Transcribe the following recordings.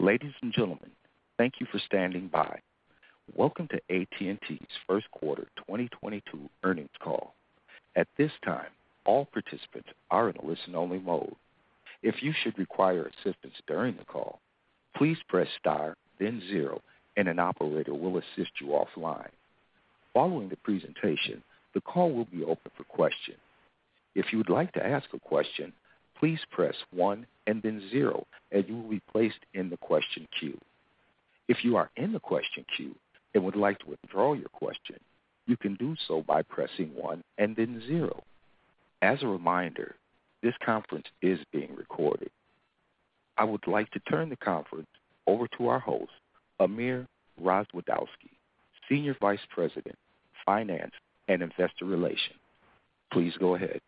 Ladies and gentlemen, thank you for standing by. Welcome to AT&T's first quarter 2022 earnings call. At this time, all participants are in a listen-only mode. If you should require assistance during the call, please press star, then zero, and an operator will assist you offline. Following the presentation, the call will be open for questions. If you'd like to ask a question, please press one and then zero, and you will be placed in the question queue. If you are in the question queue and would like to withdraw your question, you can do so by pressing one and then zero. As a reminder, this conference is being recorded. I would like to turn the conference over to our host, Amir Rozwadowski, Senior Vice President, Finance and Investor Relations. Please go ahead.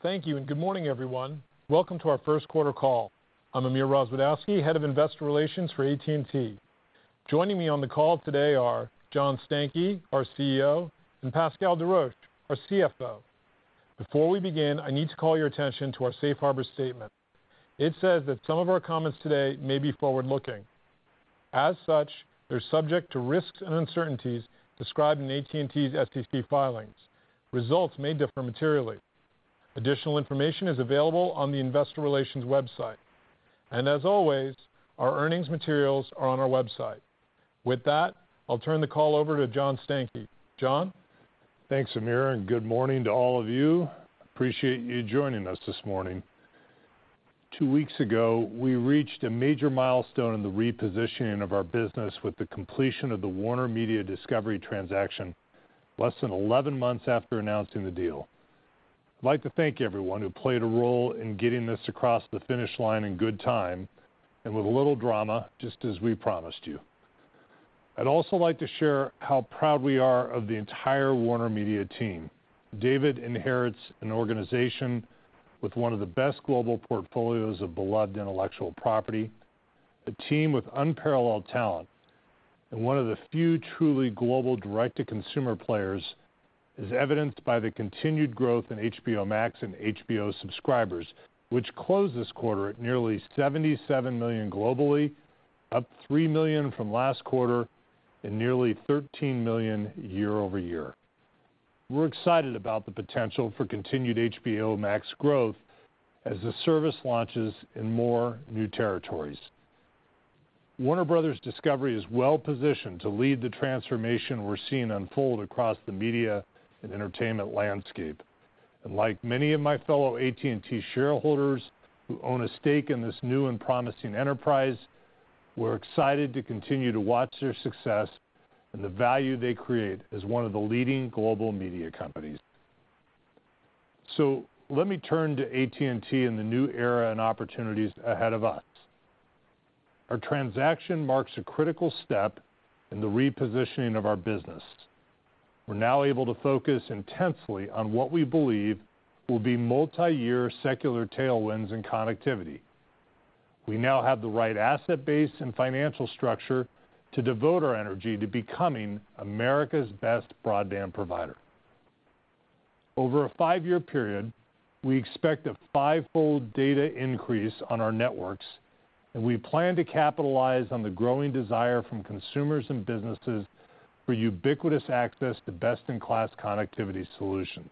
Thank you and good morning, everyone. Welcome to our first quarter call. I'm Amir Rozwadowski, Head of Investor Relations for AT&T. Joining me on the call today are John Stankey, our CEO, and Pascal Desroches, our CFO. Before we begin, I need to call your attention to our Safe Harbor statement. It says that some of our comments today may be forward-looking. As such, they're subject to risks and uncertainties described in AT&T's SEC filings. Results may differ materially. Additional information is available on the Investor Relations website. As always, our earnings materials are on our website. With that, I'll turn the call over to John Stankey. John? Thanks, Amir, and good morning to all of you. Appreciate you joining us this morning. Two weeks ago, we reached a major milestone in the repositioning of our business with the completion of the WarnerMedia-Discovery transaction, less than eleven months after announcing the deal. I'd like to thank everyone who played a role in getting this across the finish line in good time and with a little drama, just as we promised you. I'd also like to share how proud we are of the entire WarnerMedia team. David inherits an organization with one of the best global portfolios of beloved intellectual property, a team with unparalleled talent, and one of the few truly global direct-to-consumer players, as evidenced by the continued growth in HBO Max and HBO subscribers, which closed this quarter at nearly 77 million globally, up 3 million from last quarter, and nearly 13 million year-over-year. We're excited about the potential for continued HBO Max growth as the service launches in more new territories. Warner Bros. Discovery is well-positioned to lead the transformation we're seeing unfold across the media and entertainment landscape. Like many of my fellow AT&T shareholders who own a stake in this new and promising enterprise, we're excited to continue to watch their success and the value they create as one of the leading global media companies. Let me turn to AT&T and the new era and opportunities ahead of us. Our transaction marks a critical step in the repositioning of our business. We're now able to focus intensely on what we believe will be multi-year secular tailwinds and connectivity. We now have the right asset base and financial structure to devote our energy to becoming America's best broadband provider. Over a five-year period, we expect a fivefold data increase on our networks, and we plan to capitalize on the growing desire from consumers and businesses for ubiquitous access to best-in-class connectivity solutions.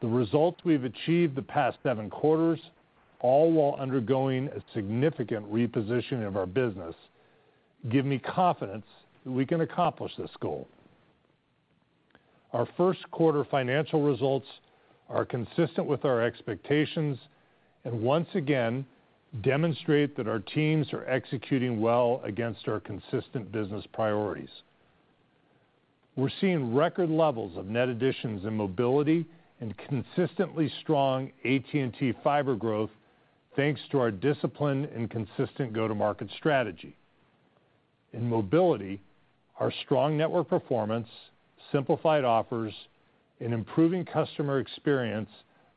The results we've achieved the past seven quarters, all while undergoing a significant repositioning of our business, give me confidence that we can accomplish this goal. Our first quarter financial results are consistent with our expectations and once again demonstrate that our teams are executing well against our consistent business priorities. We're seeing record levels of net additions in Mobility and consistently strong AT&T Fiber growth, thanks to our discipline and consistent go-to-market strategy. In Mobility, our strong network performance, simplified offers, and improving customer experience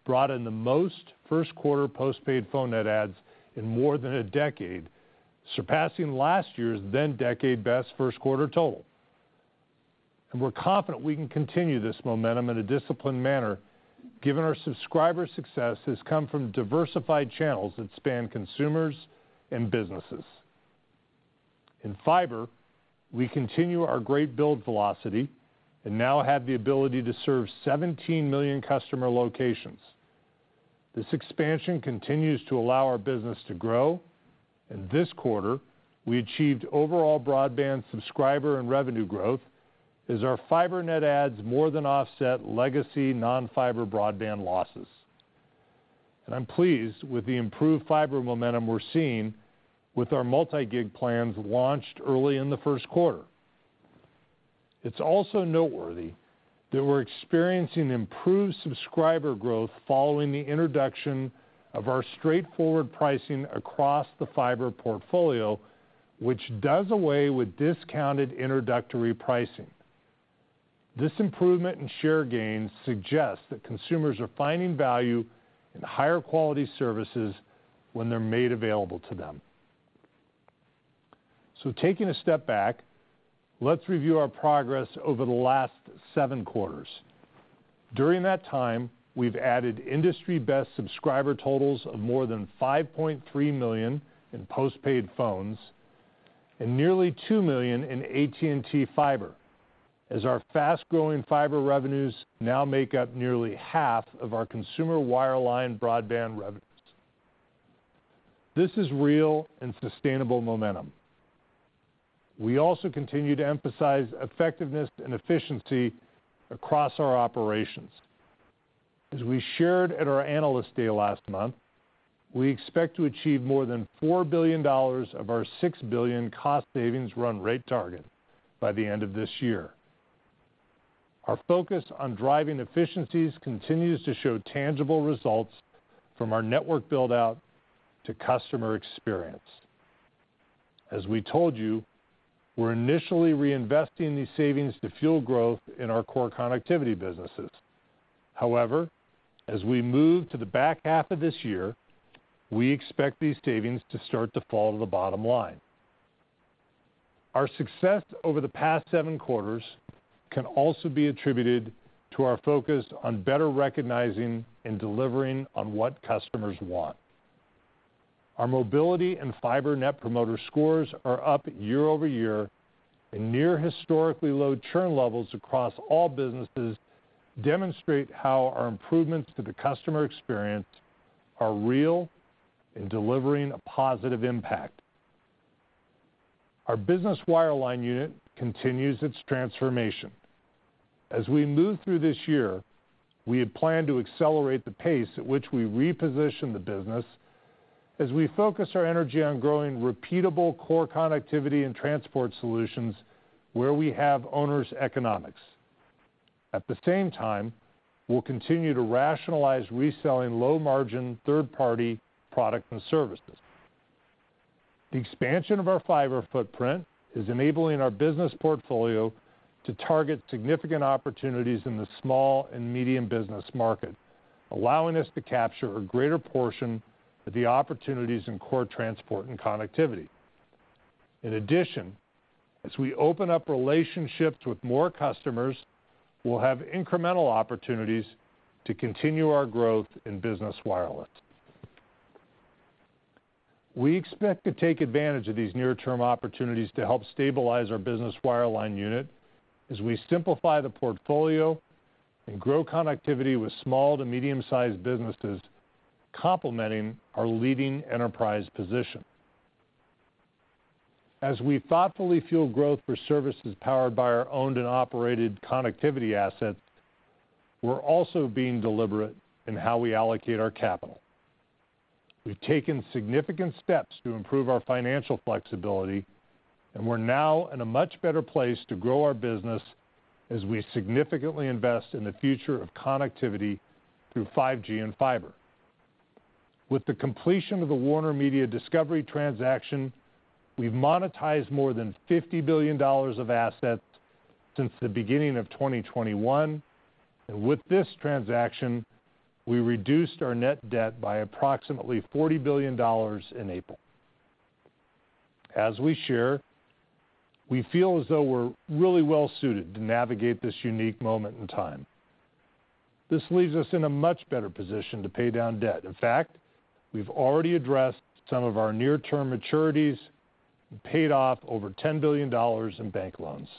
brought in the most first quarter postpaid phone net adds in more than a decade, surpassing last year's then decade-best first quarter total. We're confident we can continue this momentum in a disciplined manner, given our subscriber success has come from diversified channels that span consumers and businesses. In fiber, we continue our great build velocity and now have the ability to serve 17 million customer locations. This expansion continues to allow our business to grow, and this quarter, we achieved overall broadband subscriber and revenue growth as our fiber net adds more than offset legacy non-fiber broadband losses. I'm pleased with the improved fiber momentum we're seeing with our Multi-Gig plans launched early in the first quarter. It's also noteworthy that we're experiencing improved subscriber growth following the introduction of our straightforward pricing across the fiber portfolio, which does away with discounted introductory pricing. This improvement in share gains suggests that consumers are finding value in higher quality services when they're made available to them. Taking a step back, let's review our progress over the last seven quarters. During that time, we've added industry-best subscriber totals of more than 5.3 million in postpaid phones and nearly 2 million in AT&T Fiber, as our fast-growing fiber revenues now make up nearly half of our consumer wireline broadband revenues. This is real and sustainable momentum. We also continue to emphasize effectiveness and efficiency across our operations. As we shared at our Analyst Day last month, we expect to achieve more than $4 billion of our $6 billion cost savings run rate target by the end of this year. Our focus on driving efficiencies continues to show tangible results from our network build-out to customer experience. As we told you, we're initially reinvesting these savings to fuel growth in our core connectivity businesses. However, as we move to the back half of this year, we expect these savings to start to fall to the bottom line. Our success over the past seven quarters can also be attributed to our focus on better recognizing and delivering on what customers want. Our Mobility and Fiber Net promoter scores are up year-over-year, and near historically low churn levels across all businesses demonstrate how our improvements to the customer experience are real and delivering a positive impact. Our Business Wireline unit continues its transformation. As we move through this year, we have planned to accelerate the pace at which we reposition the business as we focus our energy on growing repeatable core connectivity and transport solutions where we have owners' economics. At the same time, we'll continue to rationalize reselling low-margin third-party product and services. The expansion of our fiber footprint is enabling our business portfolio to target significant opportunities in the small and medium business market, allowing us to capture a greater portion of the opportunities in core transport and connectivity. In addition, as we open up relationships with more customers, we'll have incremental opportunities to continue our growth in Business Wireless. We expect to take advantage of these near-term opportunities to help stabilize our Business Wireline unit as we simplify the portfolio and grow connectivity with small to medium-sized businesses, complementing our leading enterprise position. As we thoughtfully fuel growth for services powered by our owned and operated connectivity assets, we're also being deliberate in how we allocate our capital. We've taken significant steps to improve our financial flexibility, and we're now in a much better place to grow our business as we significantly invest in the future of connectivity through 5G and fiber. With the completion of the WarnerMedia Discovery transaction, we've monetized more than $50 billion of assets since the beginning of 2021, and with this transaction, we reduced our net debt by approximately $40 billion in April. As we share, we feel as though we're really well-suited to navigate this unique moment in time. This leaves us in a much better position to pay down debt. In fact, we've already addressed some of our near-term maturities and paid off over $10 billion in bank loans.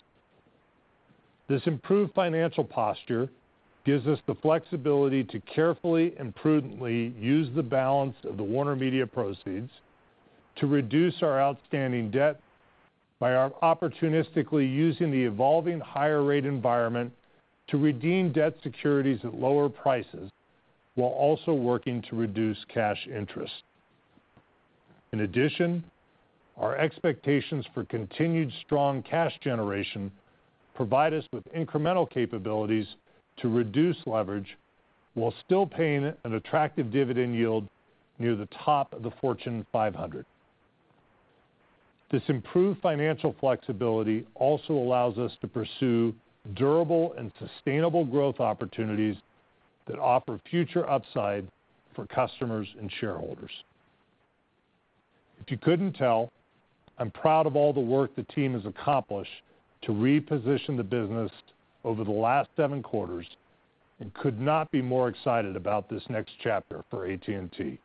This improved financial posture gives us the flexibility to carefully and prudently use the balance of the WarnerMedia proceeds to reduce our outstanding debt by opportunistically using the evolving higher rate environment to redeem debt securities at lower prices while also working to reduce cash interest. In addition, our expectations for continued strong cash generation provide us with incremental capabilities to reduce leverage while still paying an attractive dividend yield near the top of the Fortune 500. This improved financial flexibility also allows us to pursue durable and sustainable growth opportunities that offer future upside for customers and shareholders. If you couldn't tell, I'm proud of all the work the team has accomplished to reposition the business over the last seven quarters and could not be more excited about this next chapter for AT&T.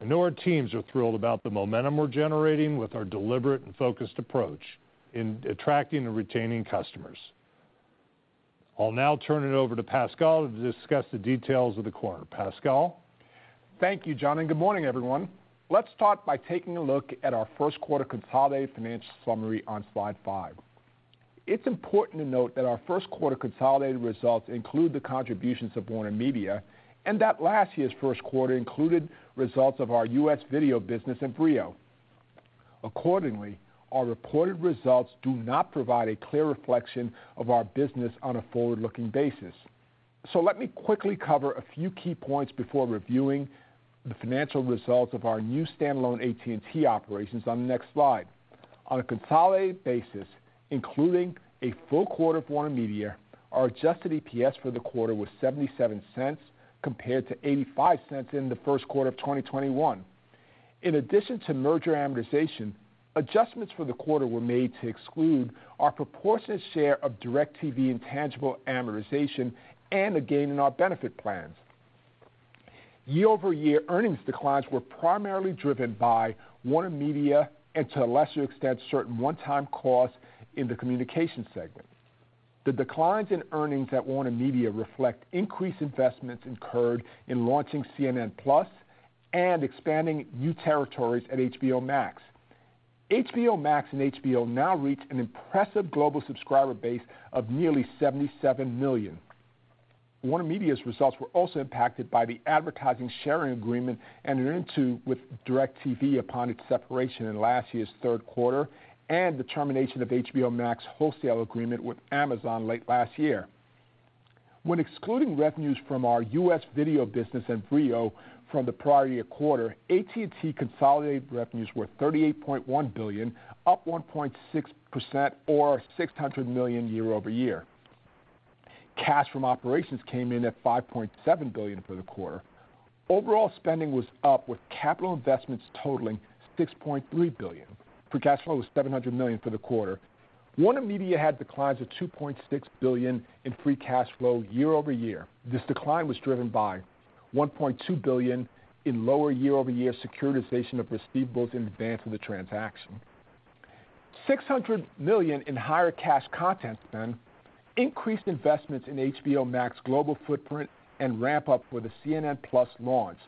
I know our teams are thrilled about the momentum we're generating with our deliberate and focused approach in attracting and retaining customers. I'll now turn it over to Pascal to discuss the details of the quarter. Pascal? Thank you, John, and good morning, everyone. Let's start by taking a look at our first quarter consolidated financial summary on slide five. It's important to note that our first quarter consolidated results include the contributions of WarnerMedia, and that last year's first quarter included results of our U.S. video business and Vrio. Accordingly, our reported results do not provide a clear reflection of our business on a forward-looking basis. Let me quickly cover a few key points before reviewing the financial results of our new standalone AT&T operations on the next slide. On a consolidated basis, including a full quarter of WarnerMedia, our adjusted EPS for the quarter was $0.77 compared to $0.85 in the first quarter of 2021. In addition to merger amortization, adjustments for the quarter were made to exclude our proportionate share of DIRECTV intangible amortization and a gain in our benefit plans. Year-over-year earnings declines were primarily driven by WarnerMedia and to a lesser extent, certain one-time costs in the Communications segment. The declines in earnings at WarnerMedia reflect increased investments incurred in launching CNN+ and expanding new territories at HBO Max. HBO Max and HBO now reach an impressive global subscriber base of nearly 77 million. WarnerMedia's results were also impacted by the advertising sharing agreement entered into with DIRECTV upon its separation in last year's third quarter and the termination of HBO Max wholesale agreement with Amazon late last year. When excluding revenues from our U.S. video business and Vrio from the prior year quarter, AT&T consolidated revenues were $38.1 billion, up 1.6% or $600 million year-over-year. Cash from operations came in at $5.7 billion for the quarter. Overall spending was up with capital investments totaling $6.3 billion. Free cash flow was $700 million for the quarter. WarnerMedia had declines of $2.6 billion in free cash flow year-over-year. This decline was driven by $1.2 billion in lower year-over-year securitization of receivables in advance of the transaction, $600 million in higher cash content spend, increased investments in HBO Max global footprint, and ramp up for the CNN+ launch,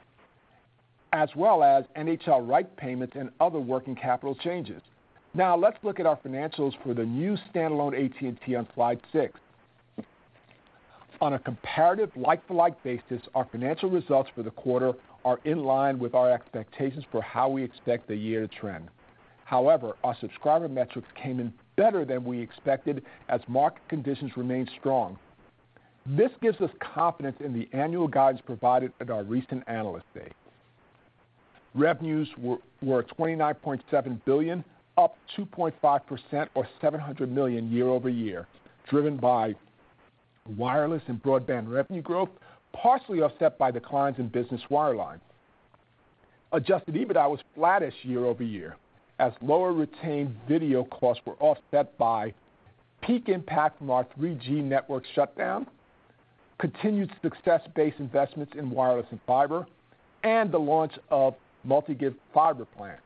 as well as NHL rights payments and other working capital changes. Now let's look at our financials for the new standalone AT&T on slide six. On a comparative like-for-like basis, our financial results for the quarter are in line with our expectations for how we expect the year to trend. However, our subscriber metrics came in better than we expected as market conditions remained strong. This gives us confidence in the annual guidance provided at our recent Analyst Day. Revenues were twenty-nine point seven billion, up two point five percent or seven hundred million year-over-year, driven by wireless and broadband revenue growth, partially offset by declines in business wireline. Adjusted EBITDA was flattish year-over-year, as lower retained video costs were offset by peak impact from our 3G network shutdown, continued success-based investments in wireless and fiber, and the launch of Multi-Gig fiber plans.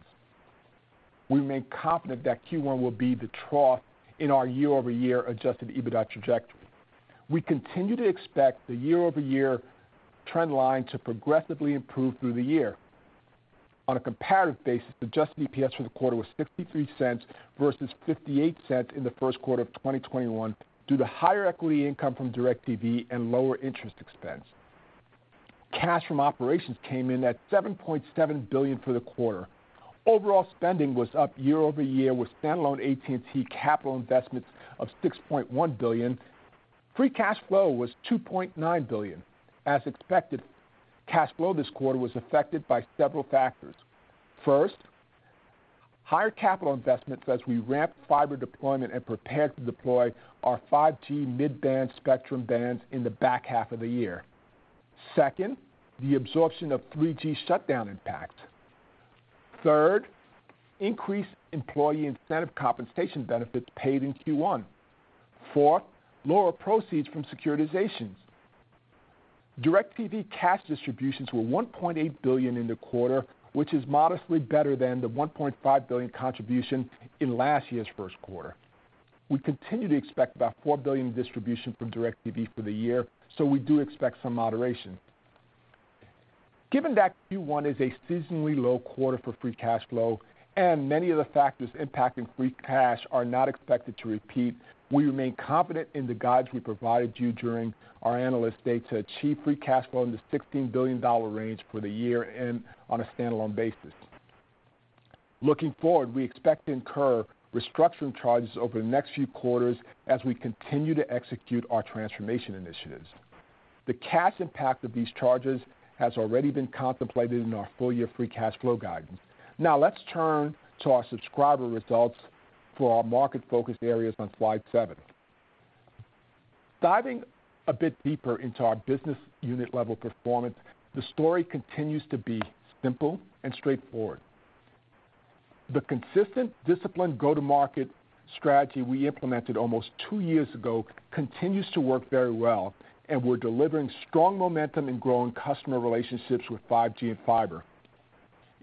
We remain confident that Q1 will be the trough in our year-over-year Adjusted EBITDA trajectory. We continue to expect the year-over-year trend line to progressively improve through the year. On a comparative basis, adjusted EPS for the quarter was $0.53 versus $0.48 in the first quarter of 2021 due to higher equity income from DIRECTV and lower interest expense. Cash from operations came in at $7.7 billion for the quarter. Overall spending was up year-over-year with standalone AT&T capital investments of $6.1 billion. Free cash flow was $2.9 billion. As expected, cash flow this quarter was affected by several factors. First, higher capital investments as we ramped fiber deployment and prepared to deploy our 5G mid-band spectrum bands in the back half of the year. Second, the absorption of 3G shutdown impact. Third, increased employee incentive compensation benefits paid in Q1. Four, lower proceeds from securitizations. DIRECTV cash distributions were $1.8 billion in the quarter, which is modestly better than the $1.5 billion contribution in last year's first quarter. We continue to expect about $4 billion in distribution from DIRECTV for the year, so we do expect some moderation. Given that Q1 is a seasonally low quarter for free cash flow and many of the factors impacting free cash are not expected to repeat, we remain confident in the guidance we provided you during our Analyst Day to achieve free cash flow in the $16 billion range for the year and on a standalone basis. Looking forward, we expect to incur restructuring charges over the next few quarters as we continue to execute our transformation initiatives. The cash impact of these charges has already been contemplated in our full-year free cash flow guidance. Now let's turn to our subscriber results for our market focus areas on slide seven. Diving a bit deeper into our business unit level performance, the story continues to be simple and straightforward. The consistent, disciplined go-to-market strategy we implemented almost two years ago continues to work very well, and we're delivering strong momentum and growing customer relationships with 5G and fiber.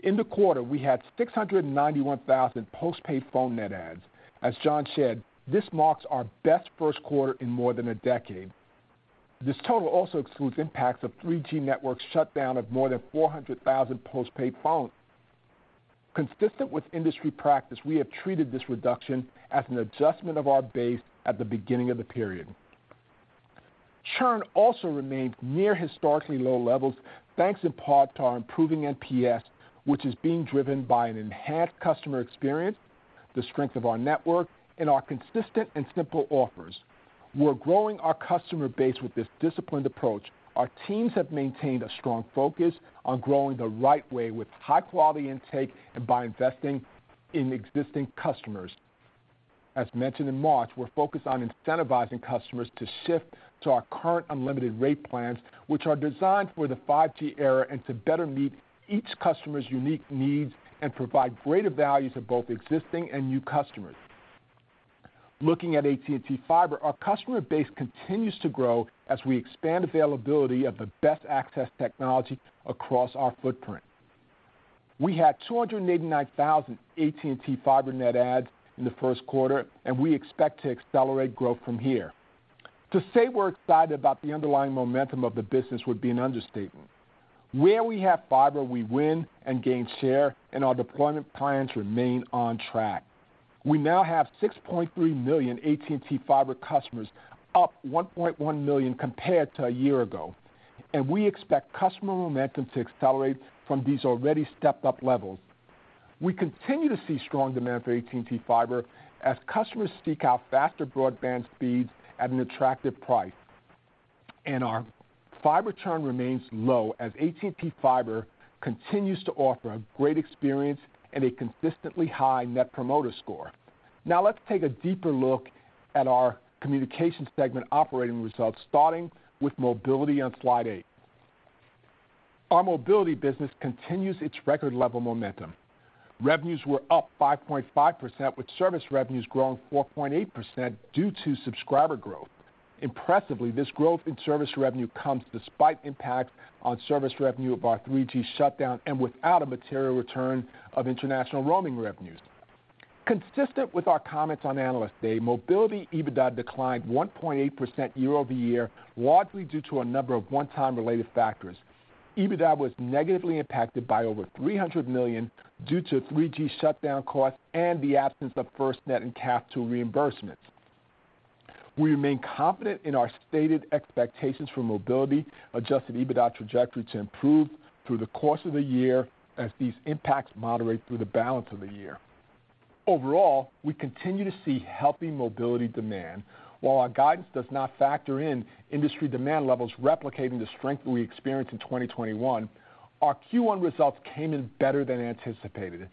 In the quarter, we had 691,000 postpaid phone net adds. As John said, this marks our best first quarter in more than a decade. This total also excludes impacts of 3G network shutdown of more than 400,000 postpaid phones. Consistent with industry practice, we have treated this reduction as an adjustment of our base at the beginning of the period. Churn also remained near historically low levels, thanks in part to our improving NPS, which is being driven by an enhanced customer experience, the strength of our network, and our consistent and simple offers. We're growing our customer base with this disciplined approach. Our teams have maintained a strong focus on growing the right way with high-quality intake and by investing in existing customers. As mentioned in March, we're focused on incentivizing customers to shift to our current unlimited rate plans, which are designed for the 5G era and to better meet each customer's unique needs and provide greater value to both existing and new customers. Looking at AT&T Fiber, our customer base continues to grow as we expand availability of the best access technology across our footprint. We had 289,000 AT&T Fiber net adds in the first quarter, and we expect to accelerate growth from here. To say we're excited about the underlying momentum of the business would be an understatement. Where we have Fiber, we win and gain share, and our deployment plans remain on track. We now have 6.3 million AT&T Fiber customers, up 1.1 million compared to a year ago, and we expect customer momentum to accelerate from these already stepped-up levels. We continue to see strong demand for AT&T Fiber as customers seek out faster broadband speeds at an attractive price. Our fiber churn remains low as AT&T Fiber continues to offer a great experience and a consistently high net promoter score. Now let's take a deeper look at our Communications segment operating results, starting with Mobility on slide eight. Our Mobility business continues its record-level momentum. Revenues were up 5.5%, with service revenues growing 4.8% due to subscriber growth. Impressively, this growth in service revenue comes despite impact on service revenue of our 3G shutdown and without a material return of international roaming revenues. Consistent with our comments on Analyst Day, Mobility EBITDA declined 1.8% year-over-year, largely due to a number of one-time related factors. EBITDA was negatively impacted by over $300 million due to 3G shutdown costs and the absence of FirstNet and CAF II reimbursements. We remain confident in our stated expectations for Mobility Adjusted EBITDA trajectory to improve through the course of the year as these impacts moderate through the balance of the year. Overall, we continue to see healthy Mobility demand. While our guidance does not factor in industry demand levels replicating the strength that we experienced in 2021, our Q1 results came in better than anticipated.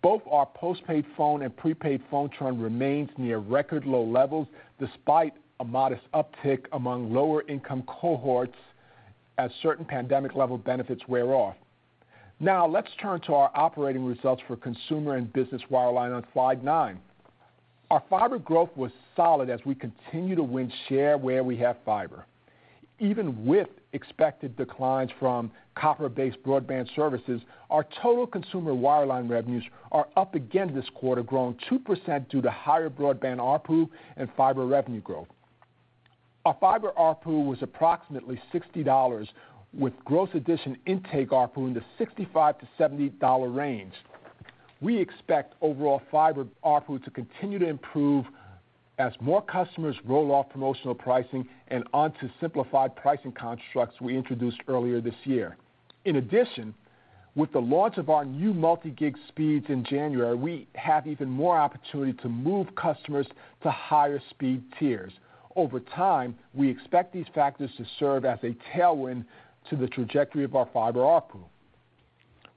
Both our postpaid phone and prepaid phone churn remains near record low levels despite a modest uptick among lower-income cohorts as certain pandemic-level benefits wear off. Now let's turn to our operating results for Consumer and Business Wireline on slide nine. Our Fiber growth was solid as we continue to win share where we have Fiber. Even with expected declines from copper-based broadband services, our total Consumer Wireline revenues are up again this quarter, growing 2% due to higher broadband ARPU and Fiber revenue growth. Our Fiber ARPU was approximately $60, with gross addition intake ARPU in the $65-$70 range. We expect overall Fiber ARPU to continue to improve as more customers roll off promotional pricing and onto simplified pricing constructs we introduced earlier this year. In addition, with the launch of our new Multi-Gig speeds in January, we have even more opportunity to move customers to higher speed tiers. Over time, we expect these factors to serve as a tailwind to the trajectory of our Fiber ARPU.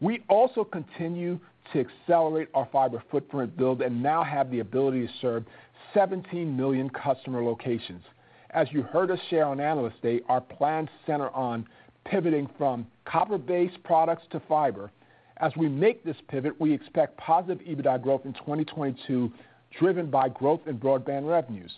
We also continue to accelerate our Fiber footprint build and now have the ability to serve 17 million customer locations. As you heard us share on Analyst Day, our plans center on pivoting from copper-based products to Fiber. As we make this pivot, we expect positive EBITDA growth in 2022, driven by growth in broadband revenues.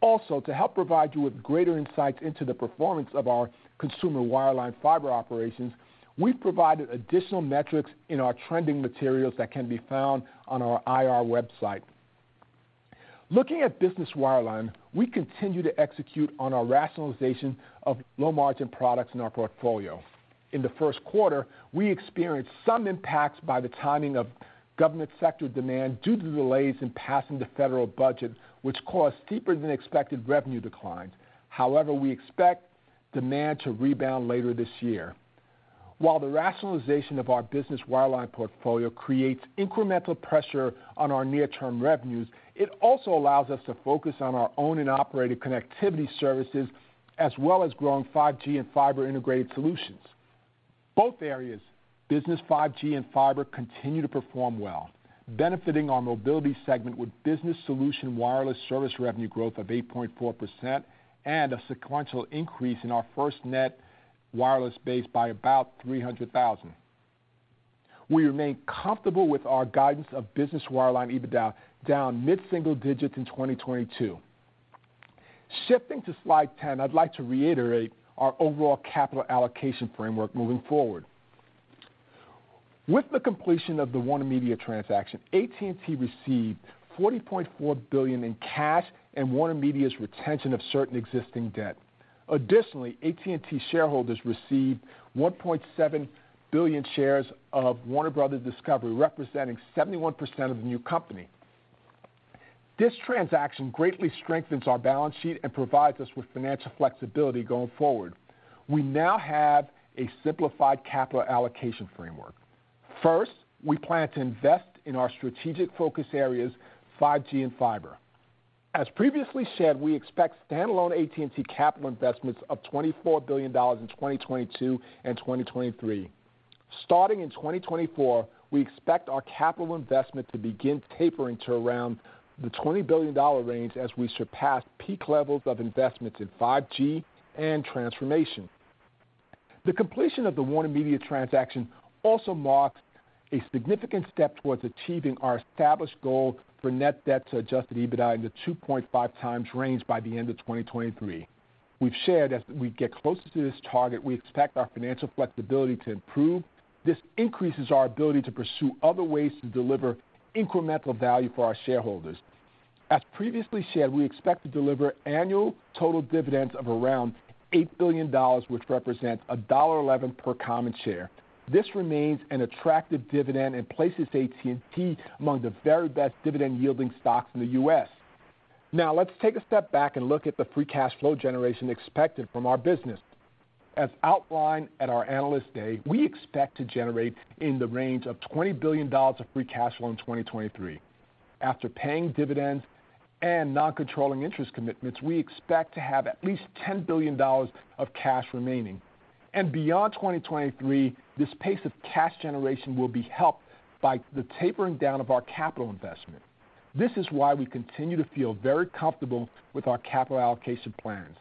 Also, to help provide you with greater insight into the performance of our Consumer Wireline Fiber operations, we've provided additional metrics in our trending materials that can be found on our IR website. Looking at Business Wireline, we continue to execute on our rationalization of low-margin products in our portfolio. In the first quarter, we experienced some impacts by the timing of government sector demand due to delays in passing the federal budget, which caused steeper-than-expected revenue declines. However, we expect demand to rebound later this year. While the rationalization of our Business Wireline portfolio creates incremental pressure on our near-term revenues, it also allows us to focus on our owned and operated connectivity services, as well as growing 5G and Fiber integrated solutions. Both areas, business 5G and Fiber, continue to perform well, benefiting our Mobility segment with business solution wireless service revenue growth of 8.4% and a sequential increase in our FirstNet wireless base by about 300,000. We remain comfortable with our guidance of Business Wireline EBITDA down mid-single digits in 2022. Shifting to slide 10, I'd like to reiterate our overall capital allocation framework moving forward. With the completion of the WarnerMedia transaction, AT&T received $40.4 billion in cash and WarnerMedia's retention of certain existing debt. Additionally, AT&T shareholders received 1.7 billion shares of Warner Bros. Discovery, representing 71% of the new company. This transaction greatly strengthens our balance sheet and provides us with financial flexibility going forward. We now have a simplified capital allocation framework. First, we plan to invest in our strategic focus areas, 5G and Fiber. As previously said, we expect standalone AT&T capital investments of $24 billion in 2022 and 2023. Starting in 2024, we expect our capital investment to begin tapering to around the $20 billion range as we surpass peak levels of investments in 5G and transformation. The completion of the WarnerMedia transaction also marks a significant step towards achieving our established goal for net debt to adjusted EBITDA in the 2.5x range by the end of 2023. We've shared as we get closer to this target, we expect our financial flexibility to improve. This increases our ability to pursue other ways to deliver incremental value for our shareholders. As previously shared, we expect to deliver annual total dividends of around $8 billion, which represents $1.11 per common share. This remains an attractive dividend and places AT&T among the very best dividend-yielding stocks in the U.S. Now, let's take a step back and look at the free cash flow generation expected from our business. As outlined at our Analyst Day, we expect to generate $20 billion of free cash flow in 2023. After paying dividends and non-controlling interest commitments, we expect to have at least $10 billion of cash remaining. Beyond 2023, this pace of cash generation will be helped by the tapering down of our capital investment. This is why we continue to feel very comfortable with our capital allocation plans.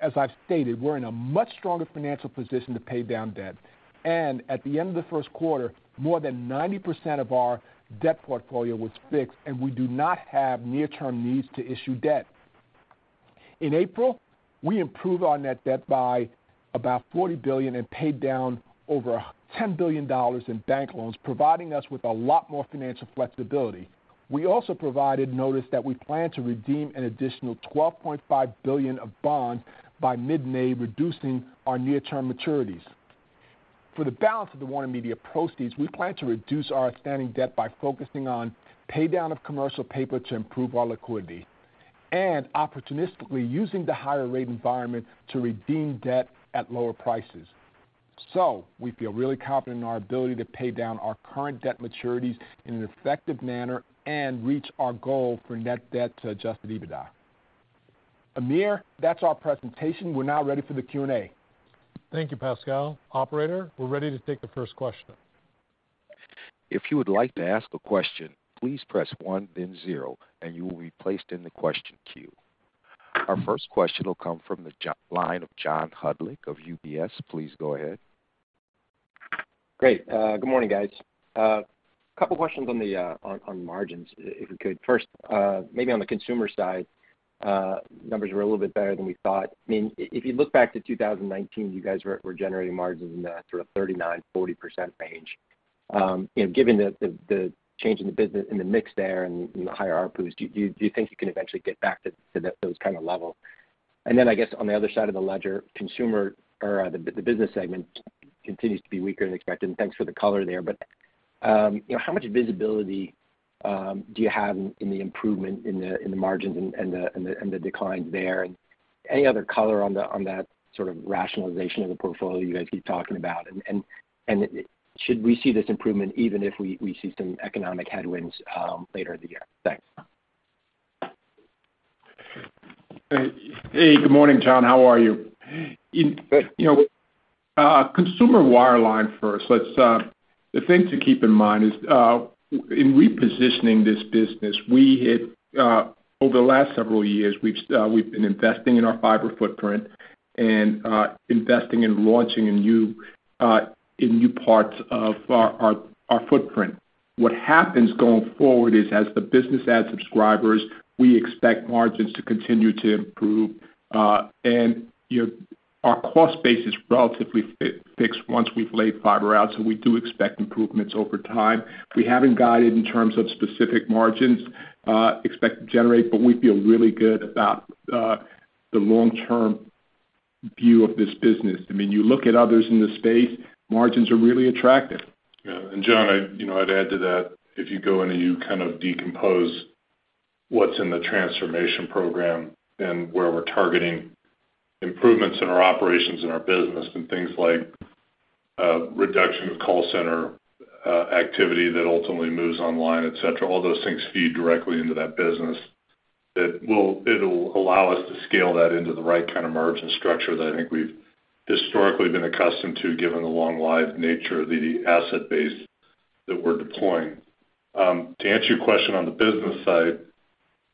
As I've stated, we're in a much stronger financial position to pay down debt, and at the end of the first quarter, more than 90% of our debt portfolio was fixed, and we do not have near-term needs to issue debt. In April, we improved our net debt by about $40 billion and paid down over $10 billion in bank loans, providing us with a lot more financial flexibility. We also provided notice that we plan to redeem an additional $12.5 billion of bonds by mid-May, reducing our near-term maturities. For the balance of the WarnerMedia proceeds, we plan to reduce our outstanding debt by focusing on pay down of commercial paper to improve our liquidity and opportunistically using the higher rate environment to redeem debt at lower prices. We feel really confident in our ability to pay down our current debt maturities in an effective manner and reach our goal for net debt to Adjusted EBITDA. Amir, that's our presentation. We're now ready for the Q&A. Thank you, Pascal. Operator, we're ready to take the first question. If you would like to ask a question, please press one then zero, and you will be placed in the question queue. Our first question will come from the line of John Hodulik of UBS. Please go ahead. Great. Good morning, guys. A couple questions on margins, if we could. First, maybe on the consumer side, numbers were a little bit better than we thought. I mean, if you look back to 2019, you guys were generating margins in the sort of 39%-40% range. You know, given the change in the business and the mix there and the higher ARPU, do you think you can eventually get back to that, those kind of levels? I guess on the other side of the ledger, consumer or the business segment continues to be weaker than expected. Thanks for the color there. You know, how much visibility do you have in the improvement in the margins and the declines there? Any other color on that sort of rationalization of the portfolio you guys keep talking about? Should we see this improvement even if we see some economic headwinds later in the year? Thanks. Hey, good morning, John. How are you? In consumer wireline first, you know, the thing to keep in mind is, when repositioning this business, we had over the last several years, we've been investing in our fiber footprint and investing in launching in new parts of our footprint. What happens going forward is as the business adds subscribers, we expect margins to continue to improve. You know, our cost base is relatively fixed once we've laid fiber out, so we do expect improvements over time. We haven't guided in terms of specific margins expect to generate, but we feel really good about the long-term view of this business. I mean, you look at others in the space, margins are really attractive. Yeah. John, I you know, I'd add to that, if you go in and you kind of decompose what's in the transformation program and where we're targeting improvements in our operations and our business and things like reduction of call center activity that ultimately moves online, et cetera, all those things feed directly into that business. It'll allow us to scale that into the right kind of margin structure that I think we've historically been accustomed to given the long life nature of the asset base that we're deploying. To answer your question on the business side,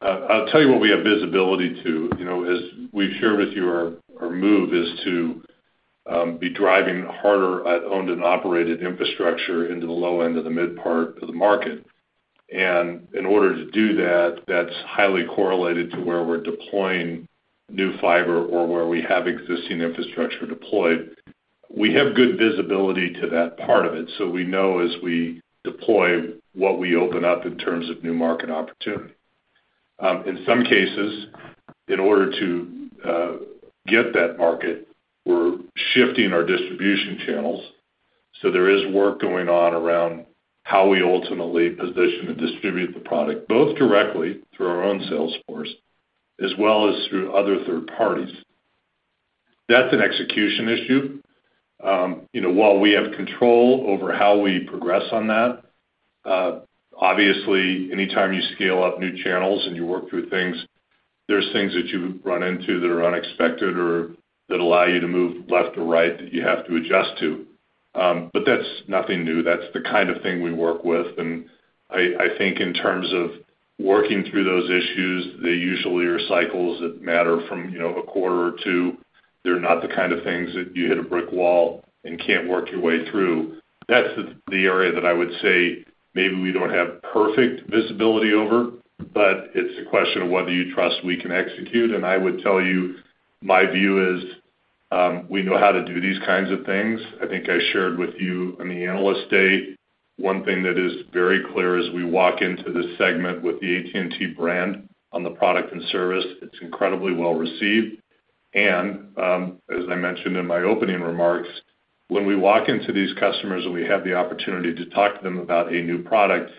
I'll tell you what we have visibility to. You know, as we've shared with you, our move is to be driving harder at owned and operated infrastructure into the low end of the mid part of the market. In order to do that's highly correlated to where we're deploying new fiber or where we have existing infrastructure deployed. We have good visibility to that part of it, so we know as we deploy what we open up in terms of new market opportunity. In some cases, in order to get that market, we're shifting our distribution channels, so there is work going on around how we ultimately position and distribute the product, both directly through our own sales force as well as through other third parties. That's an execution issue. While we have control over how we progress on that, obviously, anytime you scale up new channels and you work through things, there's things that you run into that are unexpected or that allow you to move left or right that you have to adjust to. But that's nothing new. That's the kind of thing we work with. I think in terms of working through those issues, they usually are cycles that matter from, you know, a quarter or two. They're not the kind of things that you hit a brick wall and can't work your way through. That's the area that I would say maybe we don't have perfect visibility over, but it's a question of whether you trust we can execute. I would tell you my view is, we know how to do these kinds of things. I think I shared with you on the Analyst Day, one thing that is very clear as we walk into this segment with the AT&T brand on the product and service, it's incredibly well received. As I mentioned in my opening remarks, when we walk into these customers and we have the opportunity to talk to them about a new product,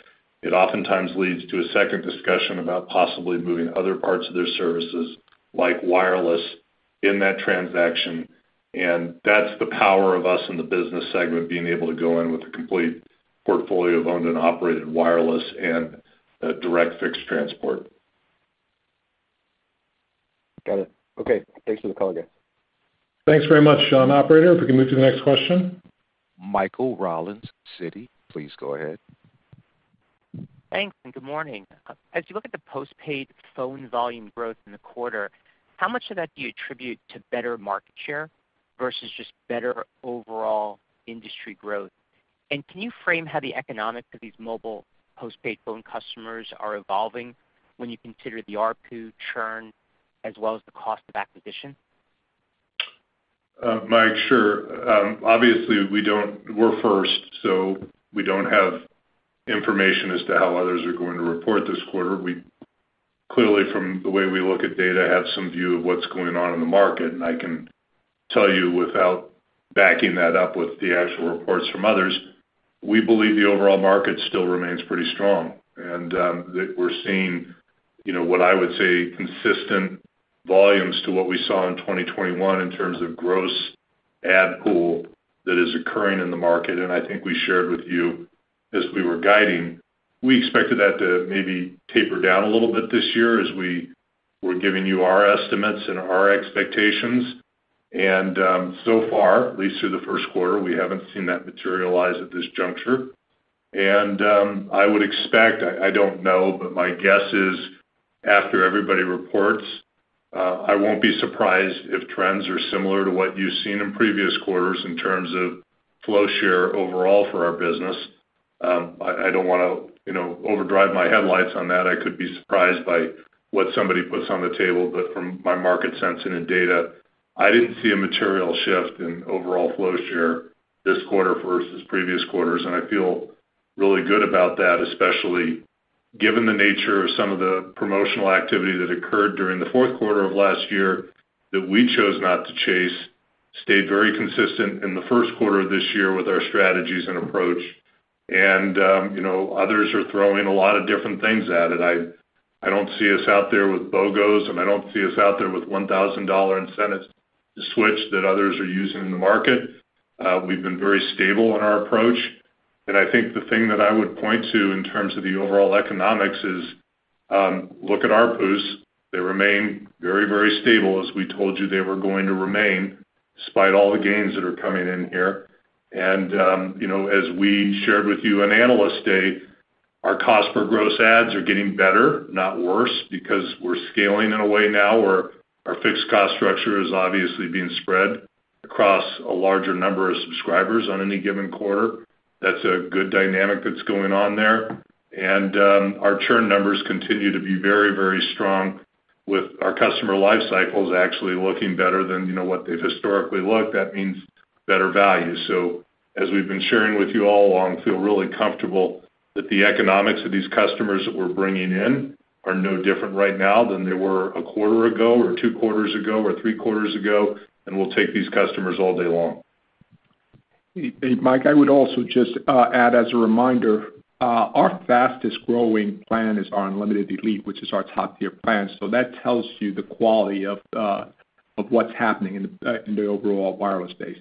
it oftentimes leads to a second discussion about possibly moving other parts of their services, like wireless in that transaction. That's the power of us in the business segment, being able to go in with a complete portfolio of owned and operated wireless and direct fixed transport. Got it. Okay. Thanks for the color, guys. Thanks very much, Sean. Operator, if we can move to the next question. Michael Rollins, Citi, please go ahead. Thanks, and good morning. As you look at the postpaid phone volume growth in the quarter, how much of that do you attribute to better market share versus just better overall industry growth? And can you frame how the economics of these mobile postpaid phone customers are evolving when you consider the ARPU churn as well as the cost of acquisition? Mike, sure. Obviously, we're first, so we don't have information as to how others are going to report this quarter. We clearly, from the way we look at data, have some view of what's going on in the market. I can tell you without backing that up with the actual reports from others, we believe the overall market still remains pretty strong, and that we're seeing, you know, what I would say, consistent volumes to what we saw in 2021 in terms of gross add pool that is occurring in the market. I think we shared with you as we were guiding, we expected that to maybe taper down a little bit this year as we were giving you our estimates and our expectations. So far, at least through the first quarter, we haven't seen that materialize at this juncture. I would expect. I don't know, but my guess is after everybody reports, I won't be surprised if trends are similar to what you've seen in previous quarters in terms of flow share overall for our business. I don't wanna, you know, overdrive my headlights on that. I could be surprised by what somebody puts on the table. From my market sensing and data, I didn't see a material shift in overall flow share this quarter versus previous quarters, and I feel really good about that, especially given the nature of some of the promotional activity that occurred during the fourth quarter of last year that we chose not to chase, stayed very consistent in the first quarter of this year with our strategies and approach. You know, others are throwing a lot of different things at it. I don't see us out there with BOGOs, and I don't see us out there with $1,000 incentives to switch that others are using in the market. We've been very stable in our approach, and I think the thing that I would point to in terms of the overall economics is, look at ARPUs. They remain very, very stable as we told you they were going to remain, despite all the gains that are coming in here. You know, as we shared with you on Analyst Day, our cost per gross adds are getting better, not worse, because we're scaling in a way now where our fixed cost structure is obviously being spread across a larger number of subscribers on any given quarter. That's a good dynamic that's going on there. Our churn numbers continue to be very, very strong with our customer life cycles actually looking better than, you know, what they've historically looked. That means better value. As we've been sharing with you all along, feel really comfortable that the economics of these customers that we're bringing in are no different right now than they were a quarter ago or two quarters ago, or three quarters ago, and we'll take these customers all day long. Mike, I would also just add as a reminder, our fastest growing plan is our Unlimited Elite, which is our top-tier plan. That tells you the quality of what's happening in the overall wireless space.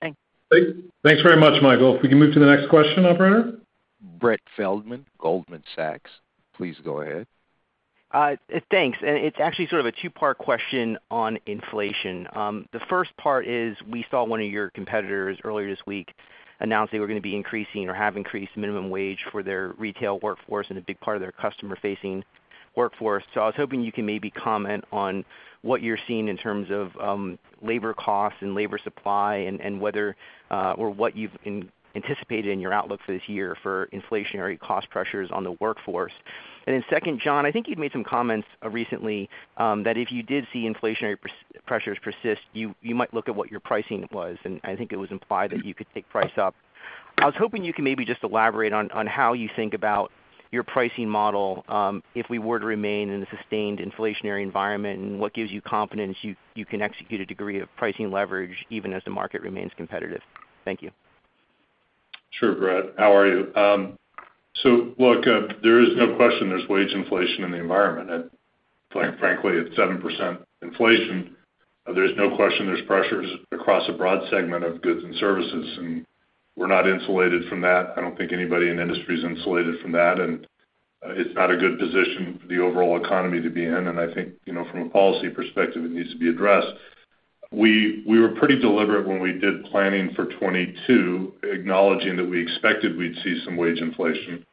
Thanks. Thanks very much, Michael. If we can move to the next question, operator. Brett Feldman, Goldman Sachs, please go ahead. Thanks. It's actually sort of a two-part question on inflation. The first part is we saw one of your competitors earlier this week announce they were gonna be increasing or have increased minimum wage for their retail workforce and a big part of their customer-facing workforce. I was hoping you can maybe comment on what you're seeing in terms of labor costs and labor supply and whether or what you've anticipated in your outlook for this year for inflationary cost pressures on the workforce. Then second, John, I think you've made some comments recently that if you did see inflationary pressures persist, you might look at what your pricing was, and I think it was implied that you could take price up. I was hoping you can maybe just elaborate on how you think about your pricing model, if we were to remain in a sustained inflationary environment, and what gives you confidence you can execute a degree of pricing leverage even as the market remains competitive. Thank you. Sure, Brett. How are you? Look, there is no question there's wage inflation in the environment. Quite frankly, at 7% inflation, there's no question there's pressures across a broad segment of goods and services, and we're not insulated from that. I don't think anybody in the industry is insulated from that, and it's not a good position for the overall economy to be in. I think, you know, from a policy perspective, it needs to be addressed. We were pretty deliberate when we did planning for 2022, acknowledging that we expected we'd see some wage inflation.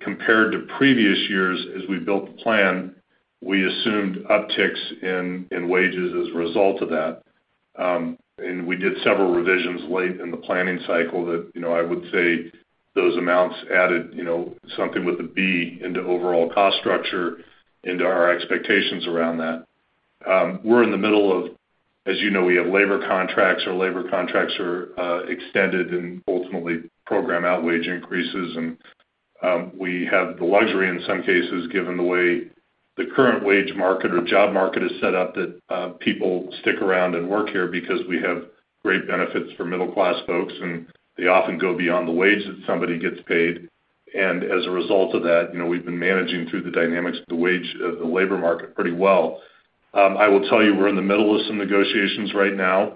Compared to previous years, as we built the plan, we assumed upticks in wages as a result of that. We did several revisions late in the planning cycle that, you know, I would say those amounts added, you know, something with a B into overall cost structure into our expectations around that. We're in the middle of. As you know, we have labor contracts. Our labor contracts are extended and ultimately program out wage increases. We have the luxury, in some cases, given the way the current wage market or job market is set up, that people stick around and work here because we have great benefits for middle-class folks, and they often go beyond the wage that somebody gets paid. As a result of that, you know, we've been managing through the dynamics of the wage, of the labor market pretty well. I will tell you we're in the middle of some negotiations right now.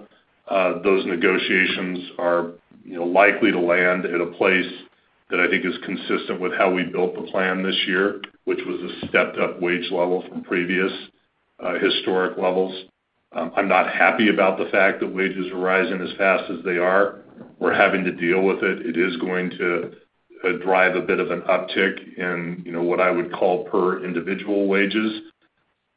Those negotiations are, you know, likely to land at a place that I think is consistent with how we built the plan this year, which was a stepped-up wage level from previous historic levels. I'm not happy about the fact that wages are rising as fast as they are. We're having to deal with it. It is going to drive a bit of an uptick in, you know, what I would call per individual wages.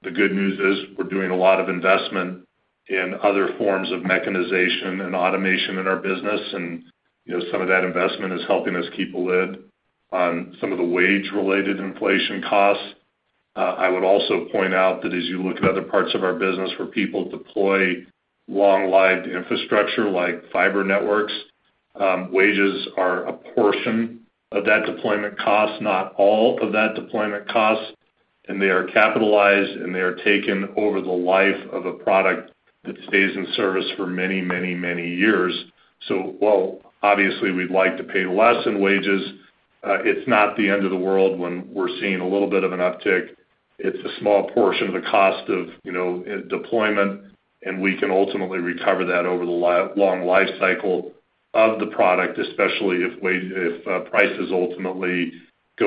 The good news is we're doing a lot of investment in other forms of mechanization and automation in our business. You know, some of that investment is helping us keep a lid on some of the wage-related inflation costs. I would also point out that as you look at other parts of our business where people deploy long-lived infrastructure like fiber networks, wages are a portion of that deployment cost, not all of that deployment cost, and they are capitalized, and they are taken over the life of a product that stays in service for many, many, many years. While obviously we'd like to pay less in wages, it's not the end of the world when we're seeing a little bit of an uptick. It's a small portion of the cost of, you know, deployment, and we can ultimately recover that over the long life cycle of the product, especially if prices ultimately go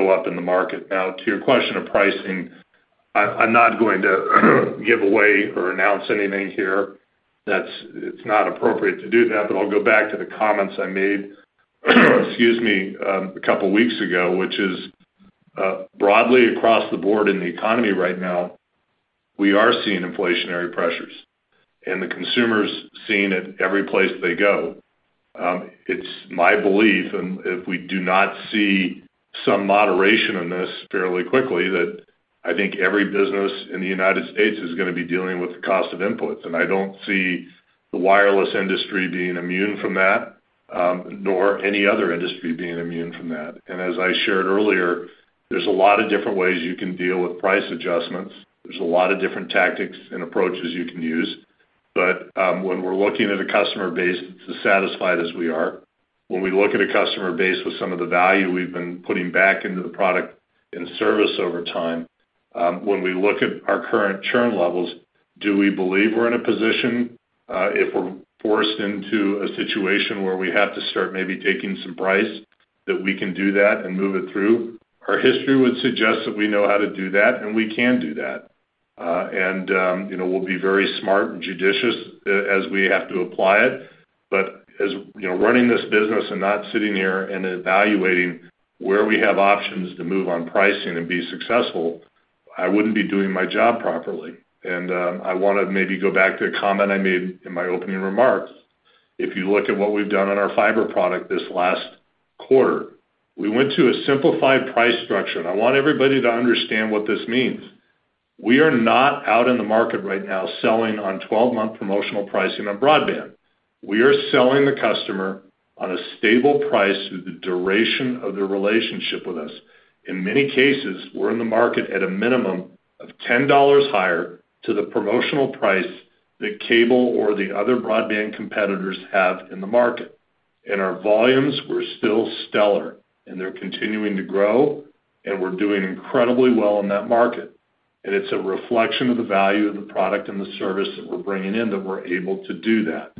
up in the market. Now to your question of pricing, I'm not going to give away or announce anything here. It's not appropriate to do that, but I'll go back to the comments I made a couple weeks ago, which is, broadly across the board in the economy right now, we are seeing inflationary pressures. The consumer's seeing it every place they go. It's my belief, and if we do not see some moderation in this fairly quickly, that I think every business in the United States is gonna be dealing with the cost of inputs. I don't see the wireless industry being immune from that, nor any other industry being immune from that. As I shared earlier, there's a lot of different ways you can deal with price adjustments. There's a lot of different tactics and approaches you can use. When we're looking at a customer base as satisfied as we are, when we look at a customer base with some of the value we've been putting back into the product and service over time, when we look at our current churn levels, do we believe we're in a position, if we're forced into a situation where we have to start maybe taking some price, that we can do that and move it through? Our history would suggest that we know how to do that, and we can do that. You know, we'll be very smart and judicious as we have to apply it. You know, running this business and not sitting here and evaluating where we have options to move on pricing and be successful, I wouldn't be doing my job properly. I wanna maybe go back to a comment I made in my opening remarks. If you look at what we've done on our fiber product this last quarter, we went to a simplified price structure, and I want everybody to understand what this means. We are not out in the market right now selling on 12-month promotional pricing on broadband. We are selling the customer on a stable price through the duration of their relationship with us. In many cases, we're in the market at a minimum of $10 higher to the promotional price that cable or the other broadband competitors have in the market. Our volumes were still stellar, and they're continuing to grow, and we're doing incredibly well in that market. It's a reflection of the value of the product and the service that we're bringing in that we're able to do that.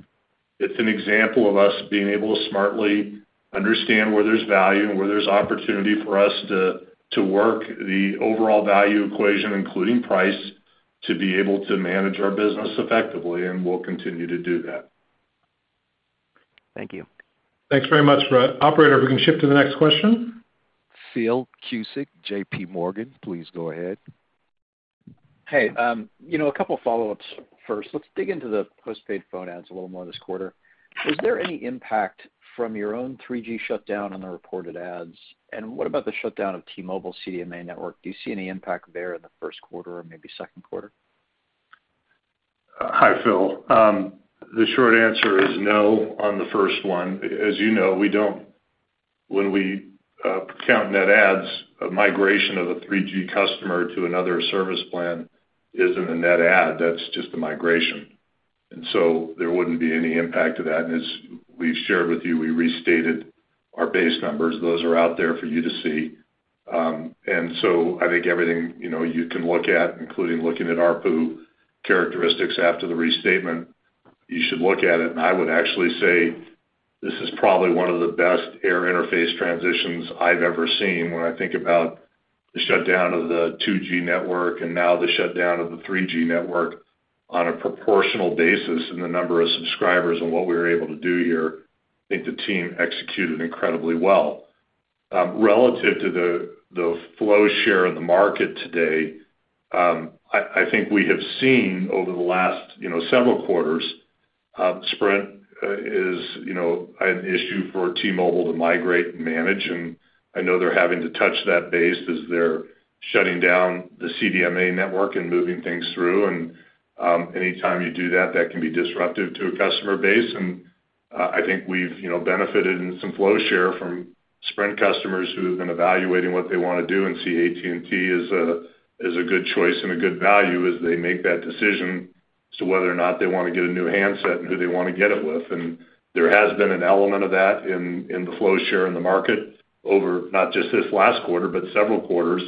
It's an example of us being able to smartly understand where there's value and where there's opportunity for us to work the overall value equation, including price, to be able to manage our business effectively, and we'll continue to do that. Thank you. Thanks very much, Brett. Operator, if we can shift to the next question. Philip Cusick, JPMorgan, please go ahead. Hey, you know, a couple follow-ups first. Let's dig into the postpaid phone adds a little more this quarter. Was there any impact from your own 3G shutdown on the reported adds? And what about the shutdown of T-Mobile CDMA network? Do you see any impact there in the first quarter or maybe second quarter? Hi, Phil. The short answer is no on the first one. As you know, when we count net adds, a migration of a 3G customer to another service plan isn't a net add. That's just a migration. There wouldn't be any impact to that. As we've shared with you, we restated our base numbers. Those are out there for you to see. I think everything, you know, you can look at, including looking at ARPU characteristics after the restatement, you should look at it. I would actually say this is probably one of the best air interface transitions I've ever seen when I think about the shutdown of the 2G network and now the shutdown of the 3G network on a proportional basis and the number of subscribers and what we were able to do here. I think the team executed incredibly well. Relative to the flow share of the market today, I think we have seen over the last, you know, several quarters, Sprint is, you know, an issue for T-Mobile to migrate and manage, and I know they're having to touch base as they're shutting down the CDMA network and moving things through. Anytime you do that can be disruptive to a customer base. I think we've, you know, benefited in some flow share from Sprint customers who have been evaluating what they wanna do and see AT&T as a good choice and a good value as they make that decision as to whether or not they wanna get a new handset and who they wanna get it with. There has been an element of that in the flow share in the market over not just this last quarter, but several quarters